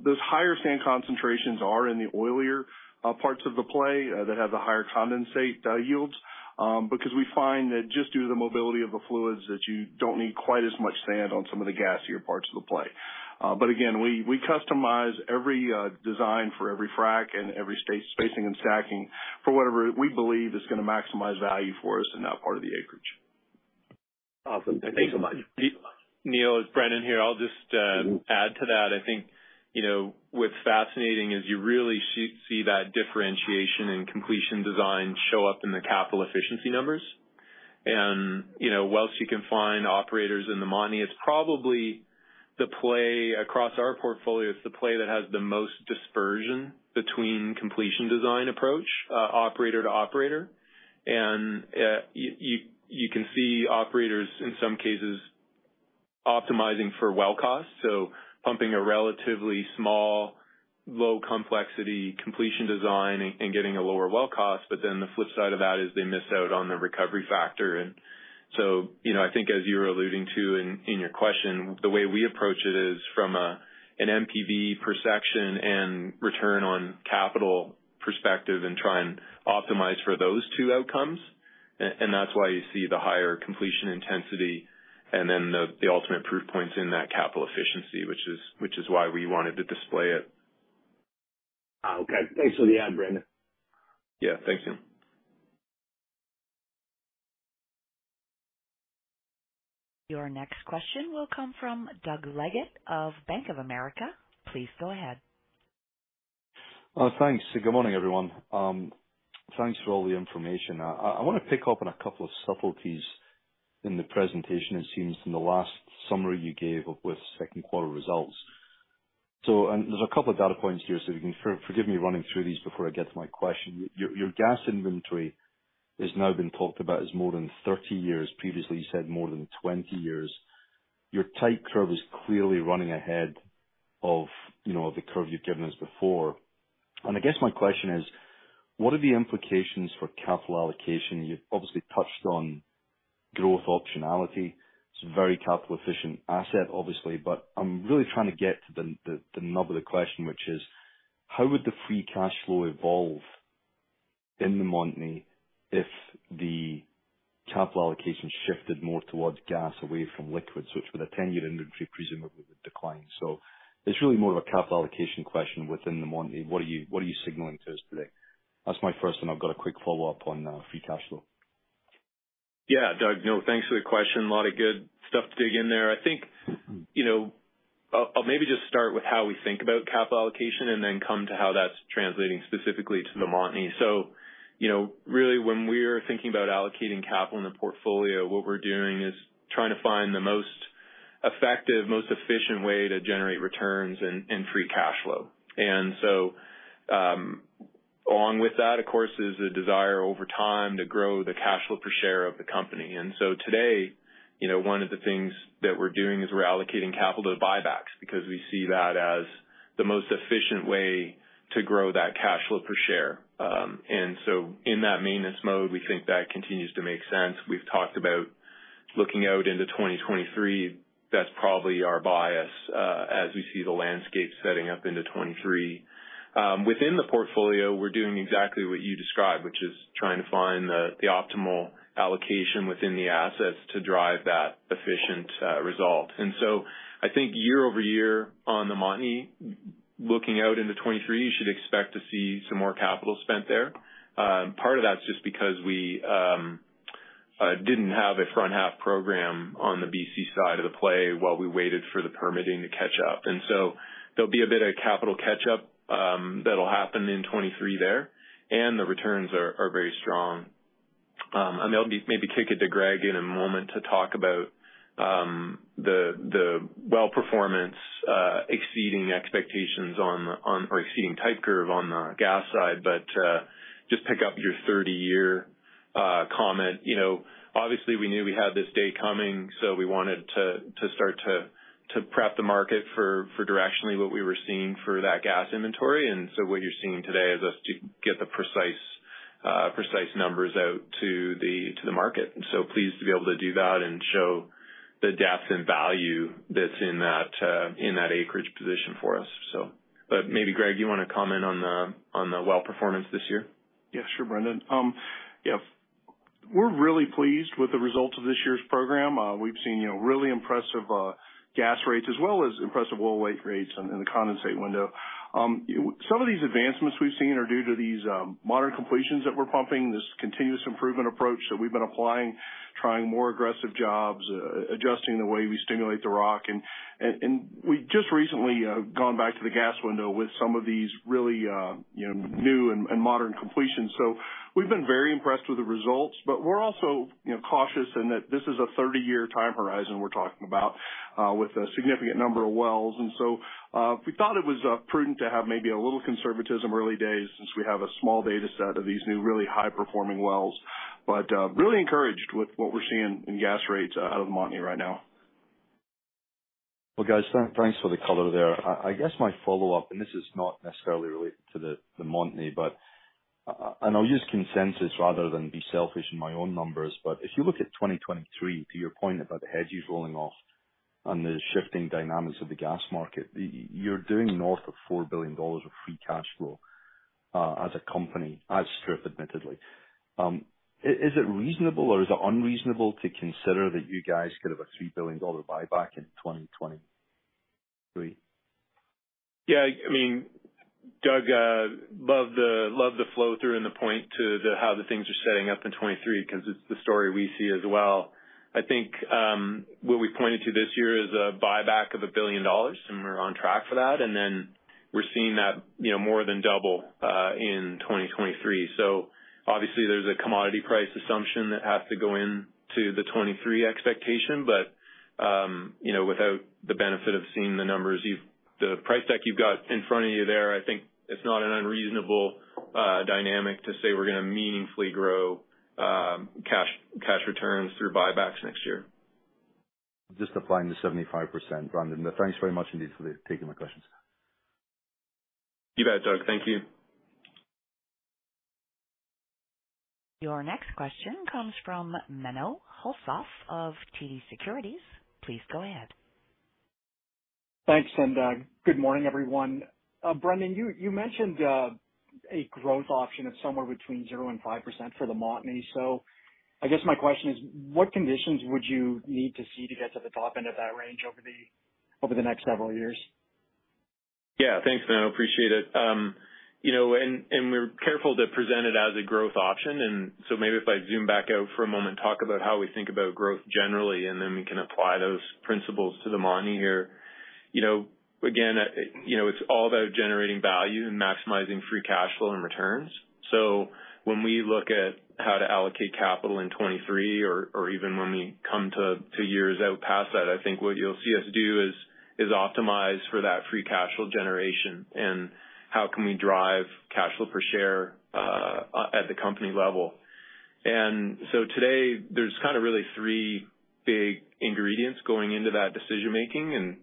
Those higher sand concentrations are in the oilier parts of the play that have the higher condensate yields because we find that just due to the mobility of the fluids that you don't need quite as much sand on some of the gassier parts of the play. But again, we customize every design for every frac and every spacing and stacking for whatever we believe is going to maximize value for us in that part of the acreage. Awesome. Thank you so much. Neil, Brendan here. I'll just add to that. I think what's fascinating is you really see that differentiation in completion design show up in the capital efficiency numbers. And while you can find operators in the Montney, it's probably the play across our portfolio is the play that has the most dispersion between completion design approach, operator to operator. And you can see operators in some cases optimizing for well cost, so pumping a relatively small, low-complexity completion design and getting a lower well cost. But then the flip side of that is they miss out on the recovery factor. And so I think as you were alluding to in your question, the way we approach it is from an NPV per section and return on capital perspective and try and optimize for those two outcomes. That's why you see the higher completion intensity and then the ultimate proof points in that capital efficiency, which is why we wanted to display it. Okay. Thanks for that, Brendan. Yeah, thank you. Your next question will come from Doug Leggate of Bank of America. Please go ahead. Thanks. Good morning, everyone. Thanks for all the information. I want to pick up on a couple of subtleties in the presentation, it seems, in the last summary you gave with second quarter results. And there's a couple of data points here, so forgive me running through these before I get to my question. Your gas inventory has now been talked about as more than 30 years. Previously, you said more than 20 years. Your type curve is clearly running ahead of the curve you've given us before. And I guess my question is, what are the implications for capital allocation? You've obviously touched on growth optionality. It's a very capital-efficient asset, obviously, but I'm really trying to get to the nub of the question, which is, how would the free cash flow evolve in the Montney if the capital allocation shifted more towards gas away from liquids, which with a 10-year inventory presumably would decline? So it's really more of a capital allocation question within the Montney. What are you signaling to us today? That's my first, and I've got a quick follow-up on free cash flow. Yeah, Doug, thanks for the question. A lot of good stuff to dig in there. I think I'll maybe just start with how we think about capital allocation and then come to how that's translating specifically to the Montney. So really, when we're thinking about allocating capital in the portfolio, what we're doing is trying to find the most effective, most efficient way to generate returns and free cash flow. And so along with that, of course, is a desire over time to grow the cash flow per share of the company. And so today, one of the things that we're doing is we're allocating capital to buybacks because we see that as the most efficient way to grow that cash flow per share. And so in that maintenance mode, we think that continues to make sense. We've talked about looking out into 2023. That's probably our bias as we see the landscape setting up into 2023. Within the portfolio, we're doing exactly what you described, which is trying to find the optimal allocation within the assets to drive that efficient result, and so I think year over year on the Montney, looking out into 2023, you should expect to see some more capital spent there. Part of that's just because we didn't have a front-half program on the BC side of the play while we waited for the permitting to catch up, and so there'll be a bit of capital catch-up that'll happen in 2023 there, and the returns are very strong, and they'll be maybe kick it to Greg in a moment to talk about the well performance exceeding expectations on or exceeding type curve on the gas side, but just pick up your 30-year comment. Obviously, we knew we had this day coming, so we wanted to start to prep the market for directionally what we were seeing for that gas inventory, and so what you're seeing today is us get the precise numbers out to the market, so pleased to be able to do that and show the depth and value that's in that acreage position for us, but maybe, Greg, you want to comment on the well performance this year? Yeah, sure, Brendan. Yeah, we're really pleased with the results of this year's program. We've seen really impressive gas rates as well as impressive oil weight rates in the condensate window. Some of these advancements we've seen are due to these modern completions that we're pumping, this continuous improvement approach that we've been applying, trying more aggressive jobs, adjusting the way we stimulate the rock, and we just recently gone back to the gas window with some of these really new and modern completions. So we've been very impressed with the results, but we're also cautious in that this is a 30-year time horizon we're talking about with a significant number of wells. And so we thought it was prudent to have maybe a little conservatism early days since we have a small data set of these new really high-performing wells, but really encouraged with what we're seeing in gas rates out of the Montney right now. Guys, thanks for the color there. I guess my follow-up, and this is not necessarily related to the Montney, and I'll use consensus rather than be selfish in my own numbers, but if you look at 2023, to your point about the hedges rolling off and the shifting dynamics of the gas market, you're doing north of $4 billion of free cash flow as a company, as street, admittedly. Is it reasonable or is it unreasonable to consider that you guys could have a $3 billion buyback in 2023? Yeah, I mean, Doug, love the flow through and the point to how the things are setting up in 2023 because it's the story we see as well. I think what we pointed to this year is a buyback of $1 billion, and we're on track for that and then we're seeing that more than double in 2023. So obviously, there's a commodity price assumption that has to go into the 2023 expectation, but without the benefit of seeing the numbers, the price deck you've got in front of you there, I think it's not an unreasonable dynamic to say we're going to meaningfully grow cash returns through buybacks next year. Just applying the 75%, Brendan. Thanks very much indeed for taking my questions. You bet, Doug. Thank you. Your next question comes from Menno Hulshof of TD Securities. Please go ahead. Thanks. And good morning, everyone. Brendan, you mentioned a growth option of somewhere between 0% and 5% for the Montney. So I guess my question is, what conditions would you need to see to get to the top end of that range over the next several years? Yeah, thanks, man. I appreciate it. And we're careful to present it as a growth option. And so maybe if I zoom back out for a moment, talk about how we think about growth generally, and then we can apply those principles to the Montney here. Again, it's all about generating value and maximizing free cash flow and returns. So when we look at how to allocate capital in 2023, or even when we come to years out past that, I think what you'll see us do is optimize for that free cash flow generation and how can we drive cash flow per share at the company level. And so today, there's kind of really three big ingredients going into that decision-making. And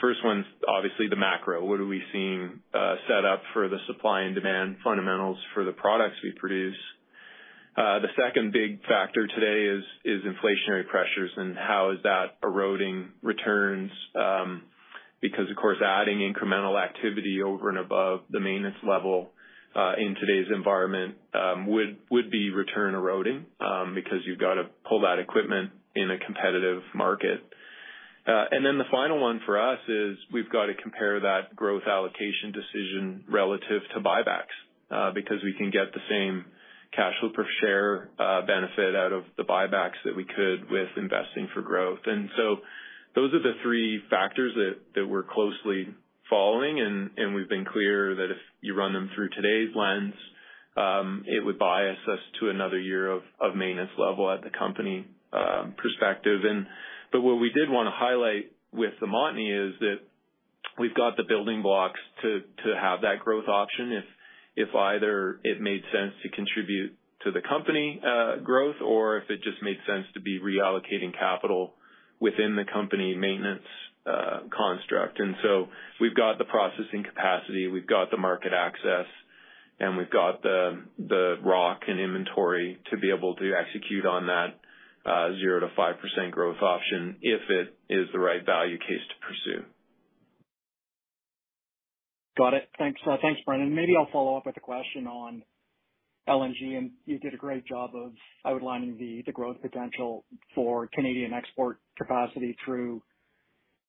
first one is obviously the macro. What are we seeing set up for the supply and demand fundamentals for the products we produce? The second big factor today is inflationary pressures and how is that eroding returns? Because, of course, adding incremental activity over and above the maintenance level in today's environment would be return eroding because you've got to pull that equipment in a competitive market. And then the final one for us is we've got to compare that growth allocation decision relative to buybacks because we can get the same cash flow per share benefit out of the buybacks that we could with investing for growth. And so those are the three factors that we're closely following. And we've been clear that if you run them through today's lens, it would bias us to another year of maintenance level at the company perspective. But what we did want to highlight with the Montney is that we've got the building blocks to have that growth option if either it made sense to contribute to the company growth or if it just made sense to be reallocating capital within the company maintenance construct. And so we've got the processing capacity, we've got the market access, and we've got the rock and inventory to be able to execute on that 0%-5% growth option if it is the right value case to pursue. Got it. Thanks, Brendan. Maybe I'll follow up with a question on LNG, and you did a great job of outlining the growth potential for Canadian export capacity through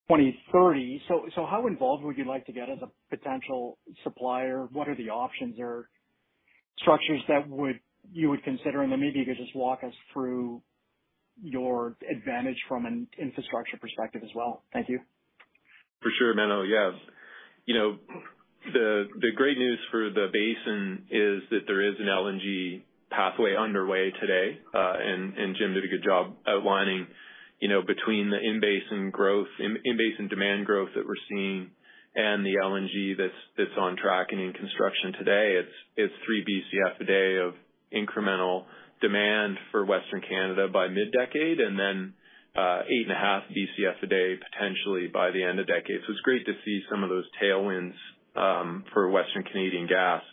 2030. So how involved would you like to get as a potential supplier? What are the options or structures that you would consider? And then maybe you could just walk us through your advantage from an infrastructure perspective as well. Thank you. For sure, Menno. Yeah. The great news for the basin is that there is an LNG pathway underway today. And Jim did a good job outlining between the in-basin demand growth that we're seeing and the LNG that's on track and in construction today. It's 3 bcf a day of incremental demand for Western Canada by mid-decade and then 8.5 bcf a day potentially by the end of decade. So it's great to see some of those tailwinds for Western Canadian gas.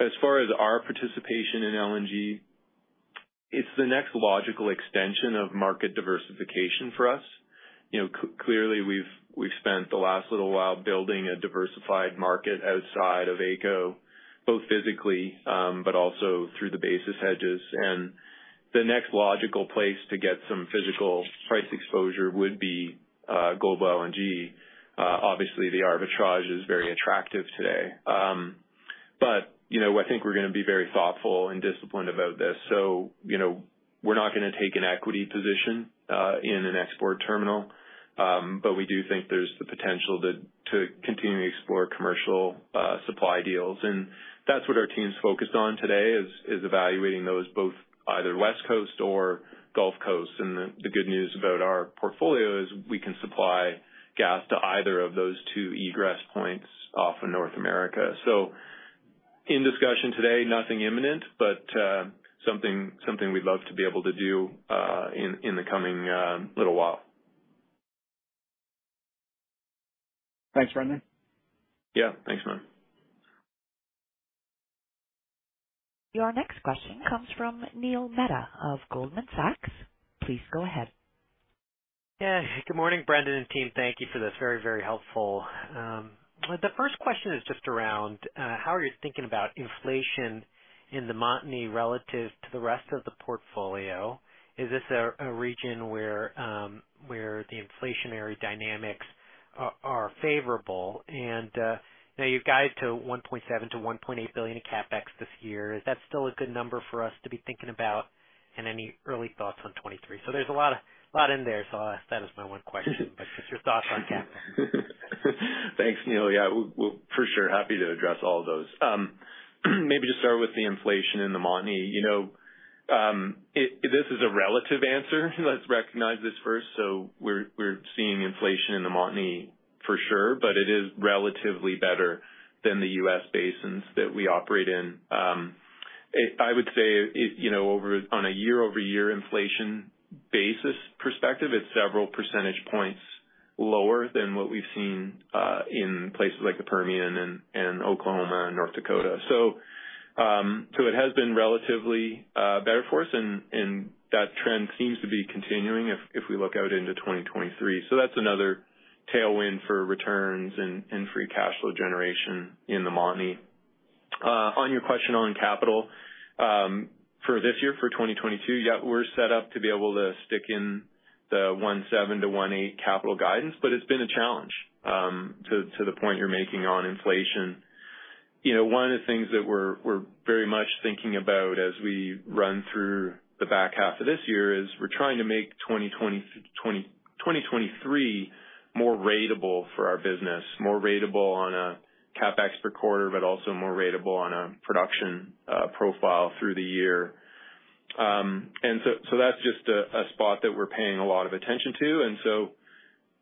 As far as our participation in LNG, it's the next logical extension of market diversification for us. Clearly, we've spent the last little while building a diversified market outside of AECO, both physically, but also through the basis hedges. And the next logical place to get some physical price exposure would be global LNG. Obviously, the arbitrage is very attractive today. I think we're going to be very thoughtful and disciplined about this. We're not going to take an equity position in an export terminal, but we do think there's the potential to continue to explore commercial supply deals. That's what our team's focused on today: evaluating those, both either West Coast or Gulf Coast. The good news about our portfolio is we can supply gas to either of those two egress points off of North America. In discussion today, nothing imminent, but something we'd love to be able to do in the coming little while. Thanks, Brendan. Yeah, thanks, man. Your next question comes from Neil Mehta of Goldman Sachs. Please go ahead. Yeah, good morning, Brendan and team. Thank you for this very, very helpful. The first question is just around how are you thinking about inflation in the Montney relative to the rest of the portfolio? Is this a region where the inflationary dynamics are favorable? And now you've guided to $1.7-$1.8 billion in CapEx this year. Is that still a good number for us to be thinking about and any early thoughts on 2023? So there's a lot in there, so that is my one question, but just your thoughts on CapEx. Thanks, Neil. Yeah, we're for sure happy to address all of those. Maybe just start with the inflation in the Montney. This is a relative answer. Let's recognize this first. So we're seeing inflation in the Montney for sure, but it is relatively better than the U.S. basins that we operate in. I would say on a year-over-year inflation basis perspective, it's several percentage points lower than what we've seen in places like the Permian and Oklahoma and North Dakota. So it has been relatively better for us, and that trend seems to be continuing if we look out into 2023. So that's another tailwind for returns and free cash flow generation in the Montney. On your question on capital, for this year, for 2022, yeah, we're set up to be able to stick in the 1.7-1.8 capital guidance, but it's been a challenge to the point you're making on inflation. One of the things that we're very much thinking about as we run through the back half of this year is we're trying to make 2023 more ratable for our business, more ratable on a CapEx per quarter, but also more ratable on a production profile through the year, so that's just a spot that we're paying a lot of attention to.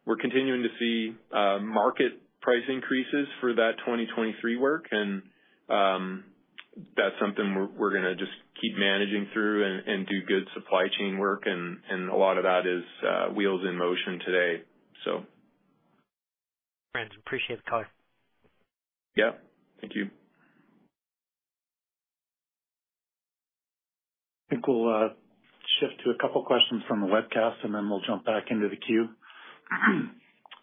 We're continuing to see market price increases for that 2023 work, and that's something we're going to just keep managing through and do good supply chain work. A lot of that is wheels in motion today, so. Brendan, appreciate the call. Yeah, thank you. I think we'll shift to a couple of questions from the webcast, and then we'll jump back into the queue.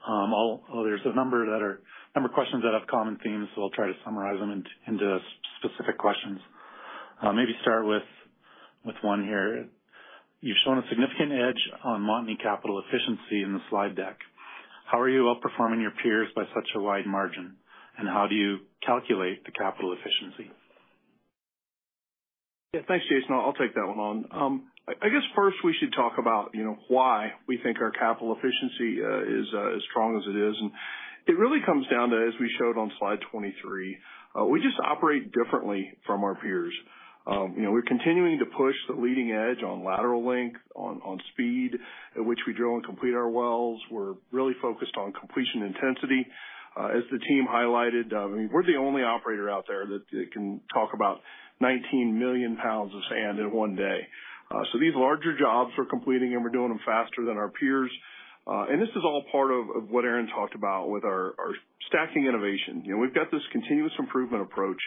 There's a number of questions that have common themes, so I'll try to summarize them into specific questions. Maybe start with one here. You've shown a significant edge on Montney capital efficiency in the slide deck. How are you outperforming your peers by such a wide margin? And how do you calculate the capital efficiency? Yeah, thanks, Jason. I'll take that one on. I guess first we should talk about why we think our capital efficiency is as strong as it is. And it really comes down to, as we showed on slide 23, we just operate differently from our peers. We're continuing to push the leading edge on lateral link, on speed at which we drill and complete our wells. We're really focused on completion intensity. As the team highlighted, I mean, we're the only operator out there that can talk about 19 million pounds of sand in one day. So these larger jobs we're completing, and we're doing them faster than our peers. And this is all part of what Aaron talked about with our stacking innovation. We've got this continuous improvement approach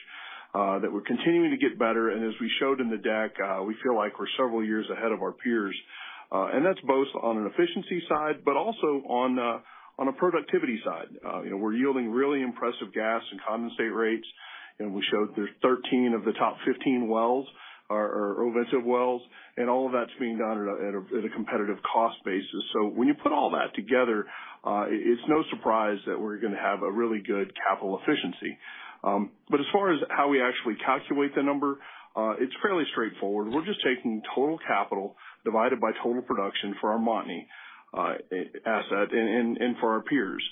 that we're continuing to get better. And as we showed in the deck, we feel like we're several years ahead of our peers. And that's both on an efficiency side, but also on a productivity side. We're yielding really impressive gas and condensate rates. And we showed there's 13 of the top 15 wells are Ovintiv wells, and all of that's being done at a competitive cost basis. So when you put all that together, it's no surprise that we're going to have a really good capital efficiency. But as far as how we actually calculate the number, it's fairly straightforward. We're just taking total capital divided by total production for our Montney asset and for our peers.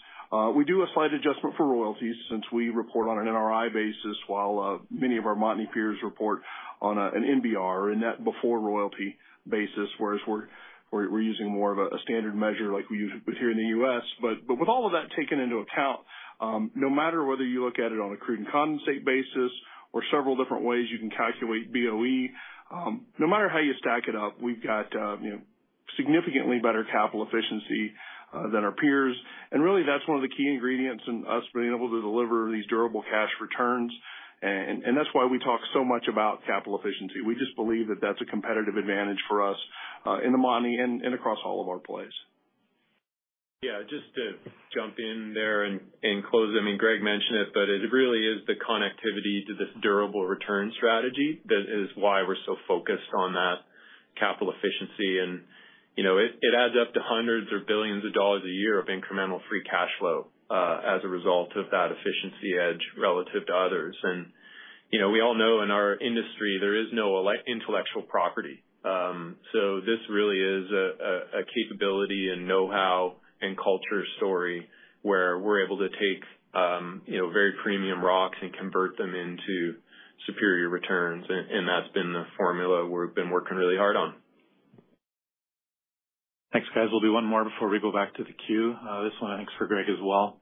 We do a slight adjustment for royalties since we report on an NRI basis while many of our Montney peers report on an NBR and that before royalty basis, whereas we're using more of a standard measure like we use here in the U.S., but with all of that taken into account, no matter whether you look at it on a crude and condensate basis or several different ways you can calculate BOE, no matter how you stack it up, we've got significantly better capital efficiency than our peers, and really, that's one of the key ingredients in us being able to deliver these durable cash returns, and that's why we talk so much about capital efficiency. We just believe that that's a competitive advantage for us in the Montney and across all of our plays. Yeah, just to jump in there and close, I mean, Greg mentioned it, but it really is the connectivity to this durable return strategy that is why we're so focused on that capital efficiency. And it adds up to hundreds or billions of dollars a year of incremental free cash flow as a result of that efficiency edge relative to others. And we all know in our industry, there is no intellectual property. So this really is a capability and know-how and culture story where we're able to take very premium rocks and convert them into superior returns. And that's been the formula we've been working really hard on. Thanks, guys. We'll do one more before we go back to the queue. This one, thanks for Greg as well.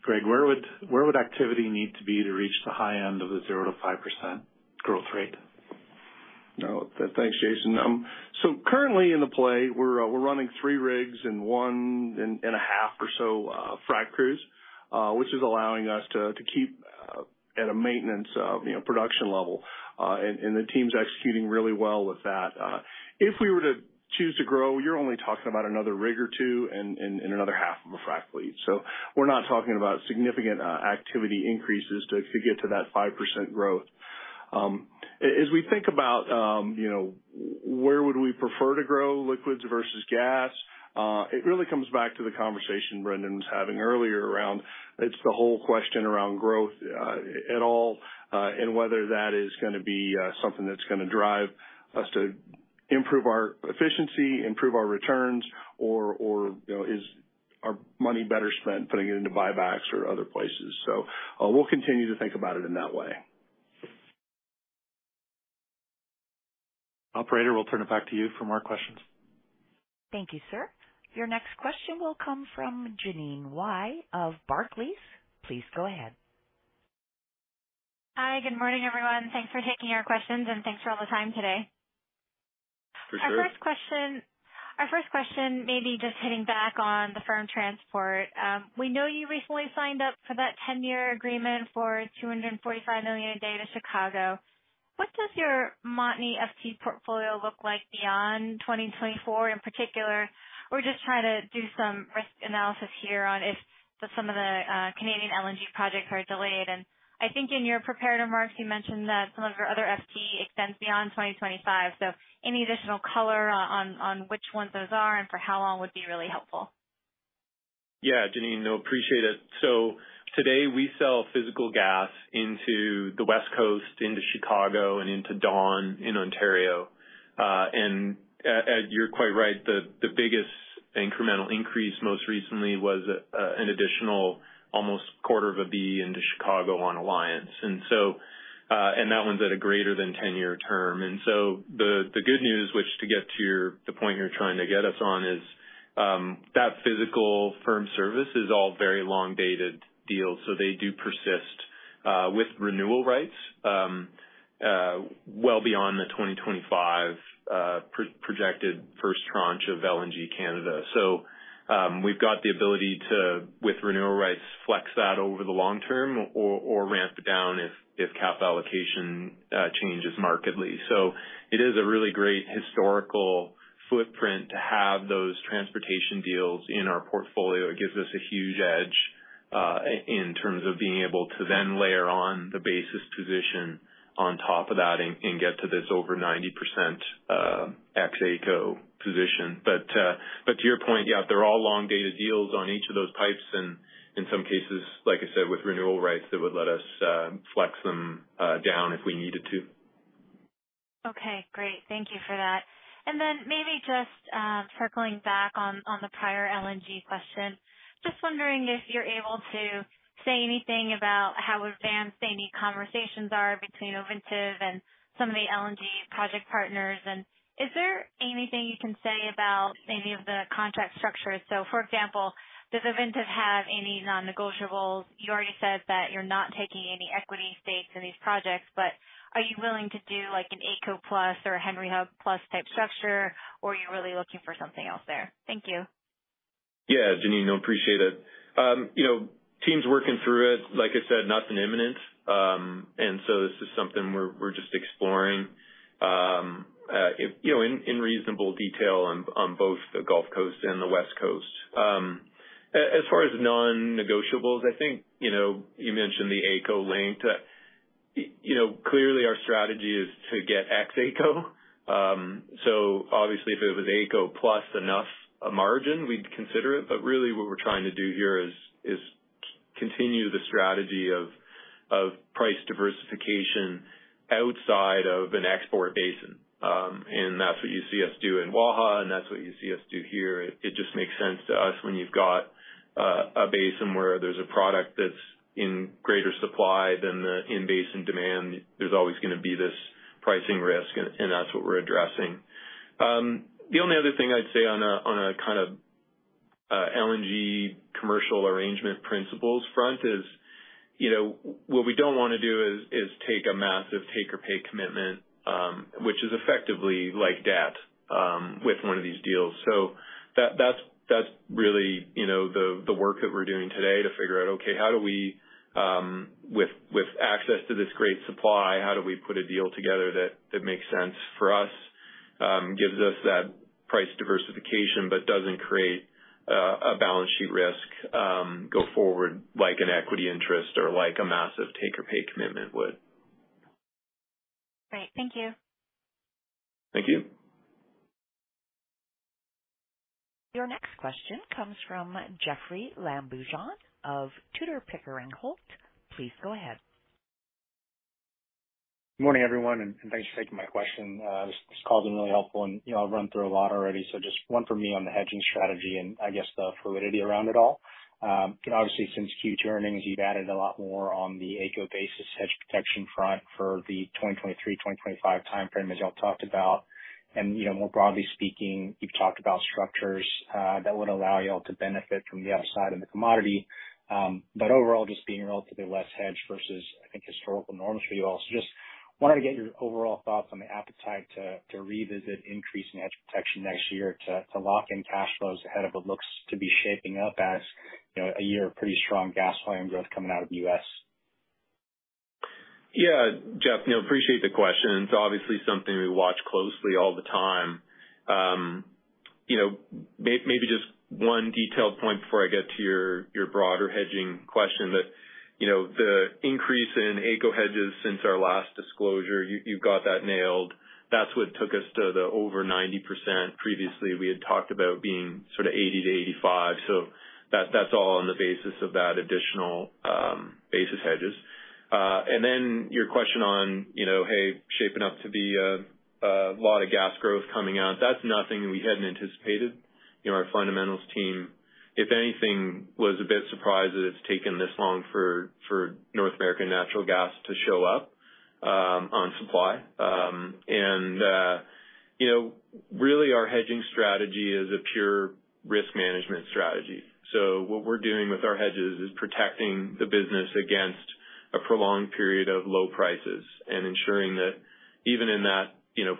Greg, where would activity need to be to reach the high end of the 0%-5% growth rate? Thanks, Jason. Currently in the play, we're running three rigs and one and a half or so frac crews, which is allowing us to keep at a maintenance production level. The team's executing really well with that. If we were to choose to grow, you're only talking about another rig or two and another half of a frac crew. We're not talking about significant activity increases to get to that 5% growth. As we think about where would we prefer to grow liquids versus gas, it really comes back to the conversation Brendan was having earlier around it's the whole question around growth at all and whether that is going to be something that's going to drive us to improve our efficiency, improve our returns, or is our money better spent putting it into buybacks or other places. So we'll continue to think about it in that way. Operator, we'll turn it back to you for more questions. Thank you, sir. Your next question will come from Jeanine Wai of Barclays. Please go ahead. Hi, good morning, everyone. Thanks for taking our questions, and thanks for all the time today. For sure. Our first question, maybe just hitting back on the firm transport. We know you recently signed up for that 10-year agreement for 245 million a day to Chicago. What does your Montney FT portfolio look like beyond 2024 in particular? We're just trying to do some risk analysis here on if some of the Canadian LNG projects are delayed. And I think in your prepared remarks, you mentioned that some of your other FT extends beyond 2025. So any additional color on which ones those are and for how long would be really helpful. Yeah, Jeanine, no, appreciate it. So today we sell physical gas into the West Coast, into Chicago, and into Dawn in Ontario. And you're quite right. The biggest incremental increase most recently was an additional almost quarter of a B into Chicago on Alliance. And that one's at a greater than 10-year term. And so the good news, which to get to the point you're trying to get us on, is that physical firm service is all very long-dated deals. So they do persist with renewal rights well beyond the 2025 projected first tranche of LNG Canada. So we've got the ability to, with renewal rights, flex that over the long term or ramp it down if cap allocation changes markedly. So it is a really great historical footprint to have those transportation deals in our portfolio. It gives us a huge edge in terms of being able to then layer on the basis position on top of that and get to this over 90% ex-AECO position. But to your point, yeah, they're all long-dated deals on each of those pipes. And in some cases, like I said, with renewal rights, it would let us flex them down if we needed to. Okay, great. Thank you for that. And then maybe just circling back on the prior LNG question, just wondering if you're able to say anything about how advanced any conversations are between Ovintiv and some of the LNG project partners. And is there anything you can say about any of the contract structures? So for example, does Ovintiv have any non-negotiables? You already said that you're not taking any equity stakes in these projects, but are you willing to do an AECO Plus or a Henry Hub Plus type structure, or are you really looking for something else there? Thank you. Yeah, Jeanine, no, appreciate it. Team's working through it. Like I said, nothing imminent. And so this is something we're just exploring in reasonable detail on both the Gulf Coast and the West Coast. As far as non-negotiables, I think you mentioned the AECO link. Clearly, our strategy is to get ex-AECO. So obviously, if it was AECO Plus enough a margin, we'd consider it. But really, what we're trying to do here is continue the strategy of price diversification outside of an export basin. And that's what you see us do in Waha, and that's what you see us do here. It just makes sense to us when you've got a basin where there's a product that's in greater supply than the in-basin demand. There's always going to be this pricing risk, and that's what we're addressing. The only other thing I'd say on a kind of LNG commercial arrangement principles front is what we don't want to do is take a massive take-or-pay commitment, which is effectively like debt with one of these deals. So that's really the work that we're doing today to figure out, okay, how do we with access to this great supply, how do we put a deal together that makes sense for us, gives us that price diversification, but doesn't create a balance sheet risk go forward like an equity interest or like a massive take-or-pay commitment would. Great. Thank you. Thank you. Your next question comes from Jeoffrey Lambujon of Tudor, Pickering, Holt. Please go ahead. Good morning, everyone, and thanks for taking my question. This call's been really helpful, and I've run through a lot already. So just one for me on the hedging strategy and I guess the fluidity around it all. Obviously, since Q2 earnings, you've added a lot more on the AECO basis hedge protection front for the 2023, 2025 timeframe, as y'all talked about. And more broadly speaking, you've talked about structures that would allow y'all to benefit from the upside in the commodity. But overall, just being relatively less hedged versus, I think, historical norms for you all. So just wanted to get your overall thoughts on the appetite to revisit increasing hedge protection next year to lock in cash flows ahead of what looks to be shaping up as a year of pretty strong gas volume growth coming out of the U.S. Yeah, Jeff, no, appreciate the question. It's obviously something we watch closely all the time. Maybe just one detailed point before I get to your broader hedging question. The increase in AECO hedges since our last disclosure, you've got that nailed. That's what took us to the over 90%. Previously, we had talked about being sort of 80%-85%. So that's all on the basis of that additional basis hedges. And then your question on, hey, shaping up to be a lot of gas growth coming out, that's nothing we hadn't anticipated. Our fundamentals team, if anything, was a bit surprised that it's taken this long for North American natural gas to show up on supply. And really, our hedging strategy is a pure risk management strategy. So what we're doing with our hedges is protecting the business against a prolonged period of low prices and ensuring that even in that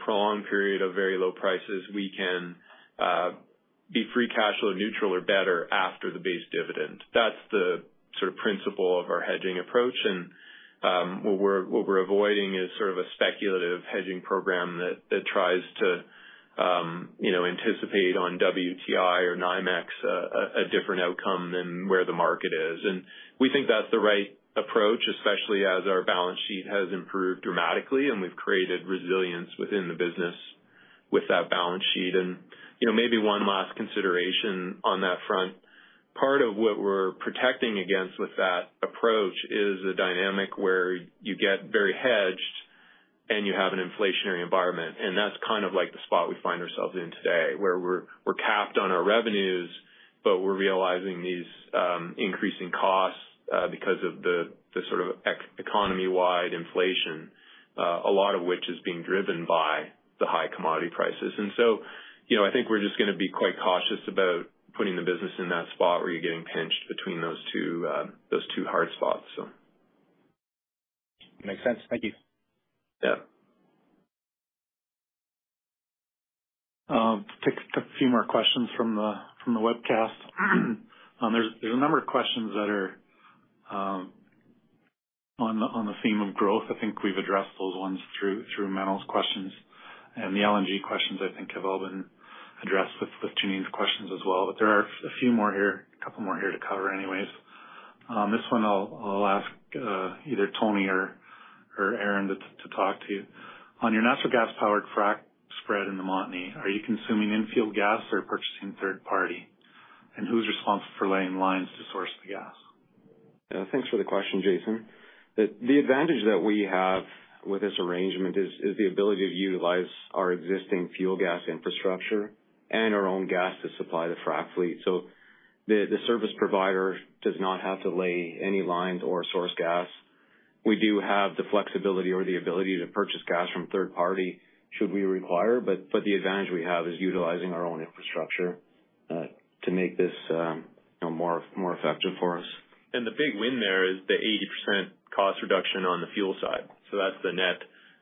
prolonged period of very low prices, we can be free cash flow neutral or better after the base dividend. That's the sort of principle of our hedging approach. And what we're avoiding is sort of a speculative hedging program that tries to anticipate on WTI or NYMEX a different outcome than where the market is. And we think that's the right approach, especially as our balance sheet has improved dramatically, and we've created resilience within the business with that balance sheet. And maybe one last consideration on that front. Part of what we're protecting against with that approach is a dynamic where you get very hedged and you have an inflationary environment. That's kind of like the spot we find ourselves in today, where we're capped on our revenues, but we're realizing these increasing costs because of the sort of economy-wide inflation, a lot of which is being driven by the high commodity prices. I think we're just going to be quite cautious about putting the business in that spot where you're getting pinched between those two hard spots, so. Makes sense. Thank you. Yeah. A few more questions from the webcast. There's a number of questions that are on the theme of growth. I think we've addressed those ones through Mel's questions. And the LNG questions, I think, have all been addressed with Jeanine's questions as well. But there are a few more here, a couple more here to cover anyways. This one, I'll ask either Tony or Aaron to talk to you. On your natural gas-powered frac spread in the Montney, are you consuming infield gas or purchasing third-party? And who's responsible for laying lines to source the gas? Thanks for the question, Jason. The advantage that we have with this arrangement is the ability to utilize our existing fuel gas infrastructure and our own gas to supply the frac fleet. So the service provider does not have to lay any lines or source gas. We do have the flexibility or the ability to purchase gas from third-party should we require. But the advantage we have is utilizing our own infrastructure to make this more effective for us. And the big win there is the 80% cost reduction on the fuel side. So that's the net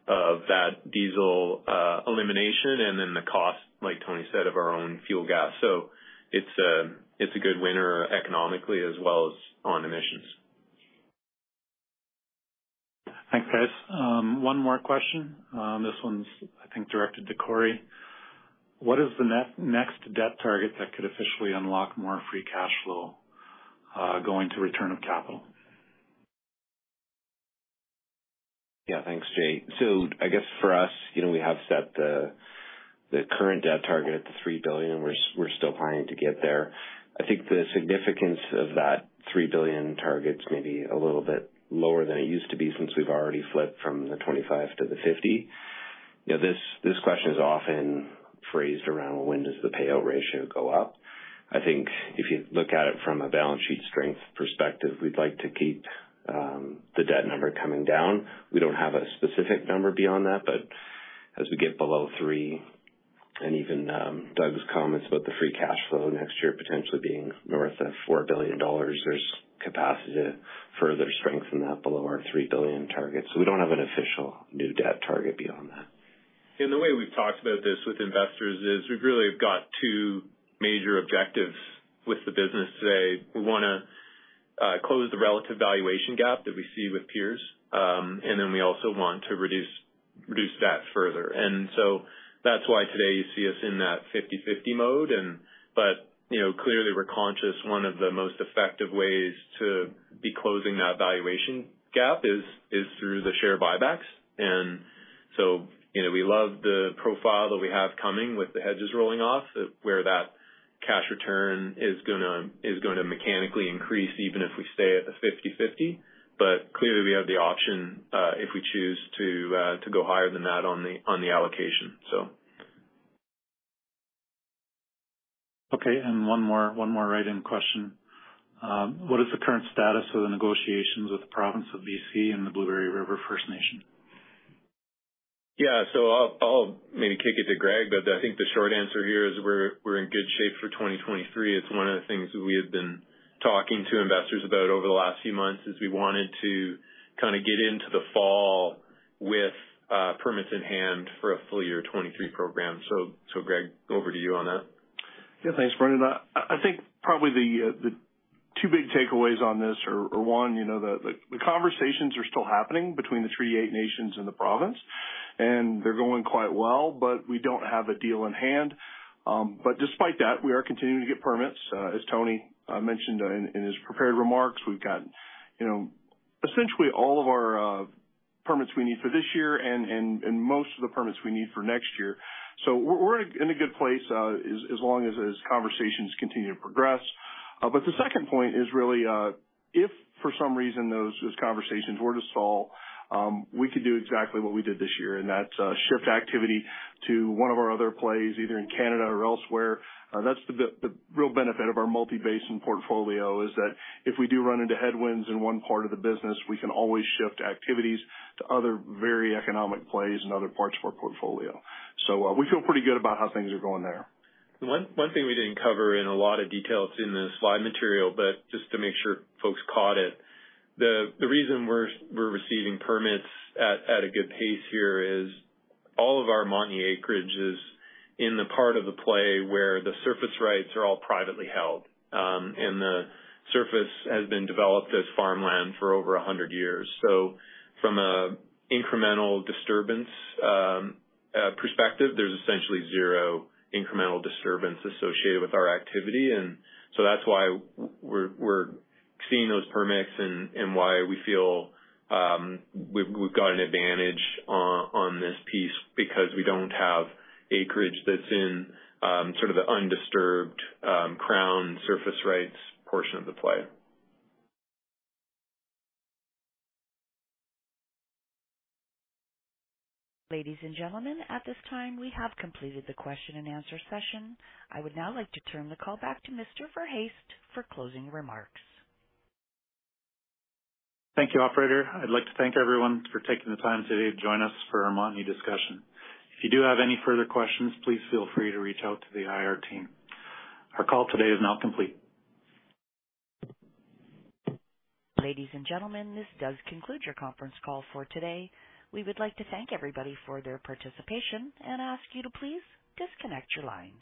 of that diesel elimination and then the cost, like Tony said, of our own fuel gas. So it's a good winner economically as well as on emissions. Thanks, guys. One more question. This one's, I think, directed to Corey. What is the next debt target that could officially unlock more free cash flow going to return of capital? Yeah, thanks, Jay. So I guess for us, we have set the current debt target at $3 billion, and we're still planning to get there. I think the significance of that $3 billion target's maybe a little bit lower than it used to be since we've already flipped from 25% to 50%. This question is often phrased around, "When does the payout ratio go up?" I think if you look at it from a balance sheet strength perspective, we'd like to keep the debt number coming down. We don't have a specific number beyond that, but as we get below $3 billion, and even Doug's comments about the free cash flow next year potentially being north of $4 billion, there's capacity to further strengthen that below our $3 billion target. So we don't have an official new debt target beyond that. In the way we've talked about this with investors is we've really got two major objectives with the business today. We want to close the relative valuation gap that we see with peers, and then we also want to reduce debt further. And so that's why today you see us in that 50/50 mode. But clearly, we're conscious one of the most effective ways to be closing that valuation gap is through the share buybacks. And so we love the profile that we have coming with the hedges rolling off, where that cash return is going to mechanically increase even if we stay at the 50/50. But clearly, we have the option if we choose to go higher than that on the allocation, so. Okay. And one more write-in question. What is the current status of the negotiations with the province of BC and the Blueberry River First Nation? Yeah. So I'll maybe kick it to Greg, but I think the short answer here is we're in good shape for 2023. It's one of the things we have been talking to investors about over the last few months is we wanted to kind of get into the fall with permits in hand for a full year 2023 program. So Greg, over to you on that. Yeah, thanks, Brendan. I think probably the two big takeaways on this are one, the conversations are still happening between the Treaty 8 nations and the province, and they're going quite well, but we don't have a deal in hand. But despite that, we are continuing to get permits. As Tony mentioned in his prepared remarks, we've got essentially all of our permits we need for this year and most of the permits we need for next year. So we're in a good place as long as conversations continue to progress. But the second point is really if for some reason those conversations were to stall, we could do exactly what we did this year, and that's shift activity to one of our other plays, either in Canada or elsewhere. That's the real benefit of our multi-basin portfolio is that if we do run into headwinds in one part of the business, we can always shift activities to other very economic plays in other parts of our portfolio, so we feel pretty good about how things are going there. One thing we didn't cover in a lot of detail. It's in the slide material, but just to make sure folks caught it, the reason we're receiving permits at a good pace here is all of our Montney acreage is in the part of the play where the surface rights are all privately held, and the surface has been developed as farmland for over 100 years. So from an incremental disturbance perspective, there's essentially zero incremental disturbance associated with our activity. And so that's why we're seeing those permits and why we feel we've got an advantage on this piece because we don't have acreage that's in sort of the undisturbed crown surface rights portion of the play. Ladies and gentlemen, at this time, we have completed the question and answer session. I would now like to turn the call back to Mr. Verhaest for closing remarks. Thank you, operator. I'd like to thank everyone for taking the time today to join us for our Montney discussion. If you do have any further questions, please feel free to reach out to the IR team. Our call today is now complete. Ladies and gentlemen, this does conclude your conference call for today. We would like to thank everybody for their participation and ask you to please disconnect your lines.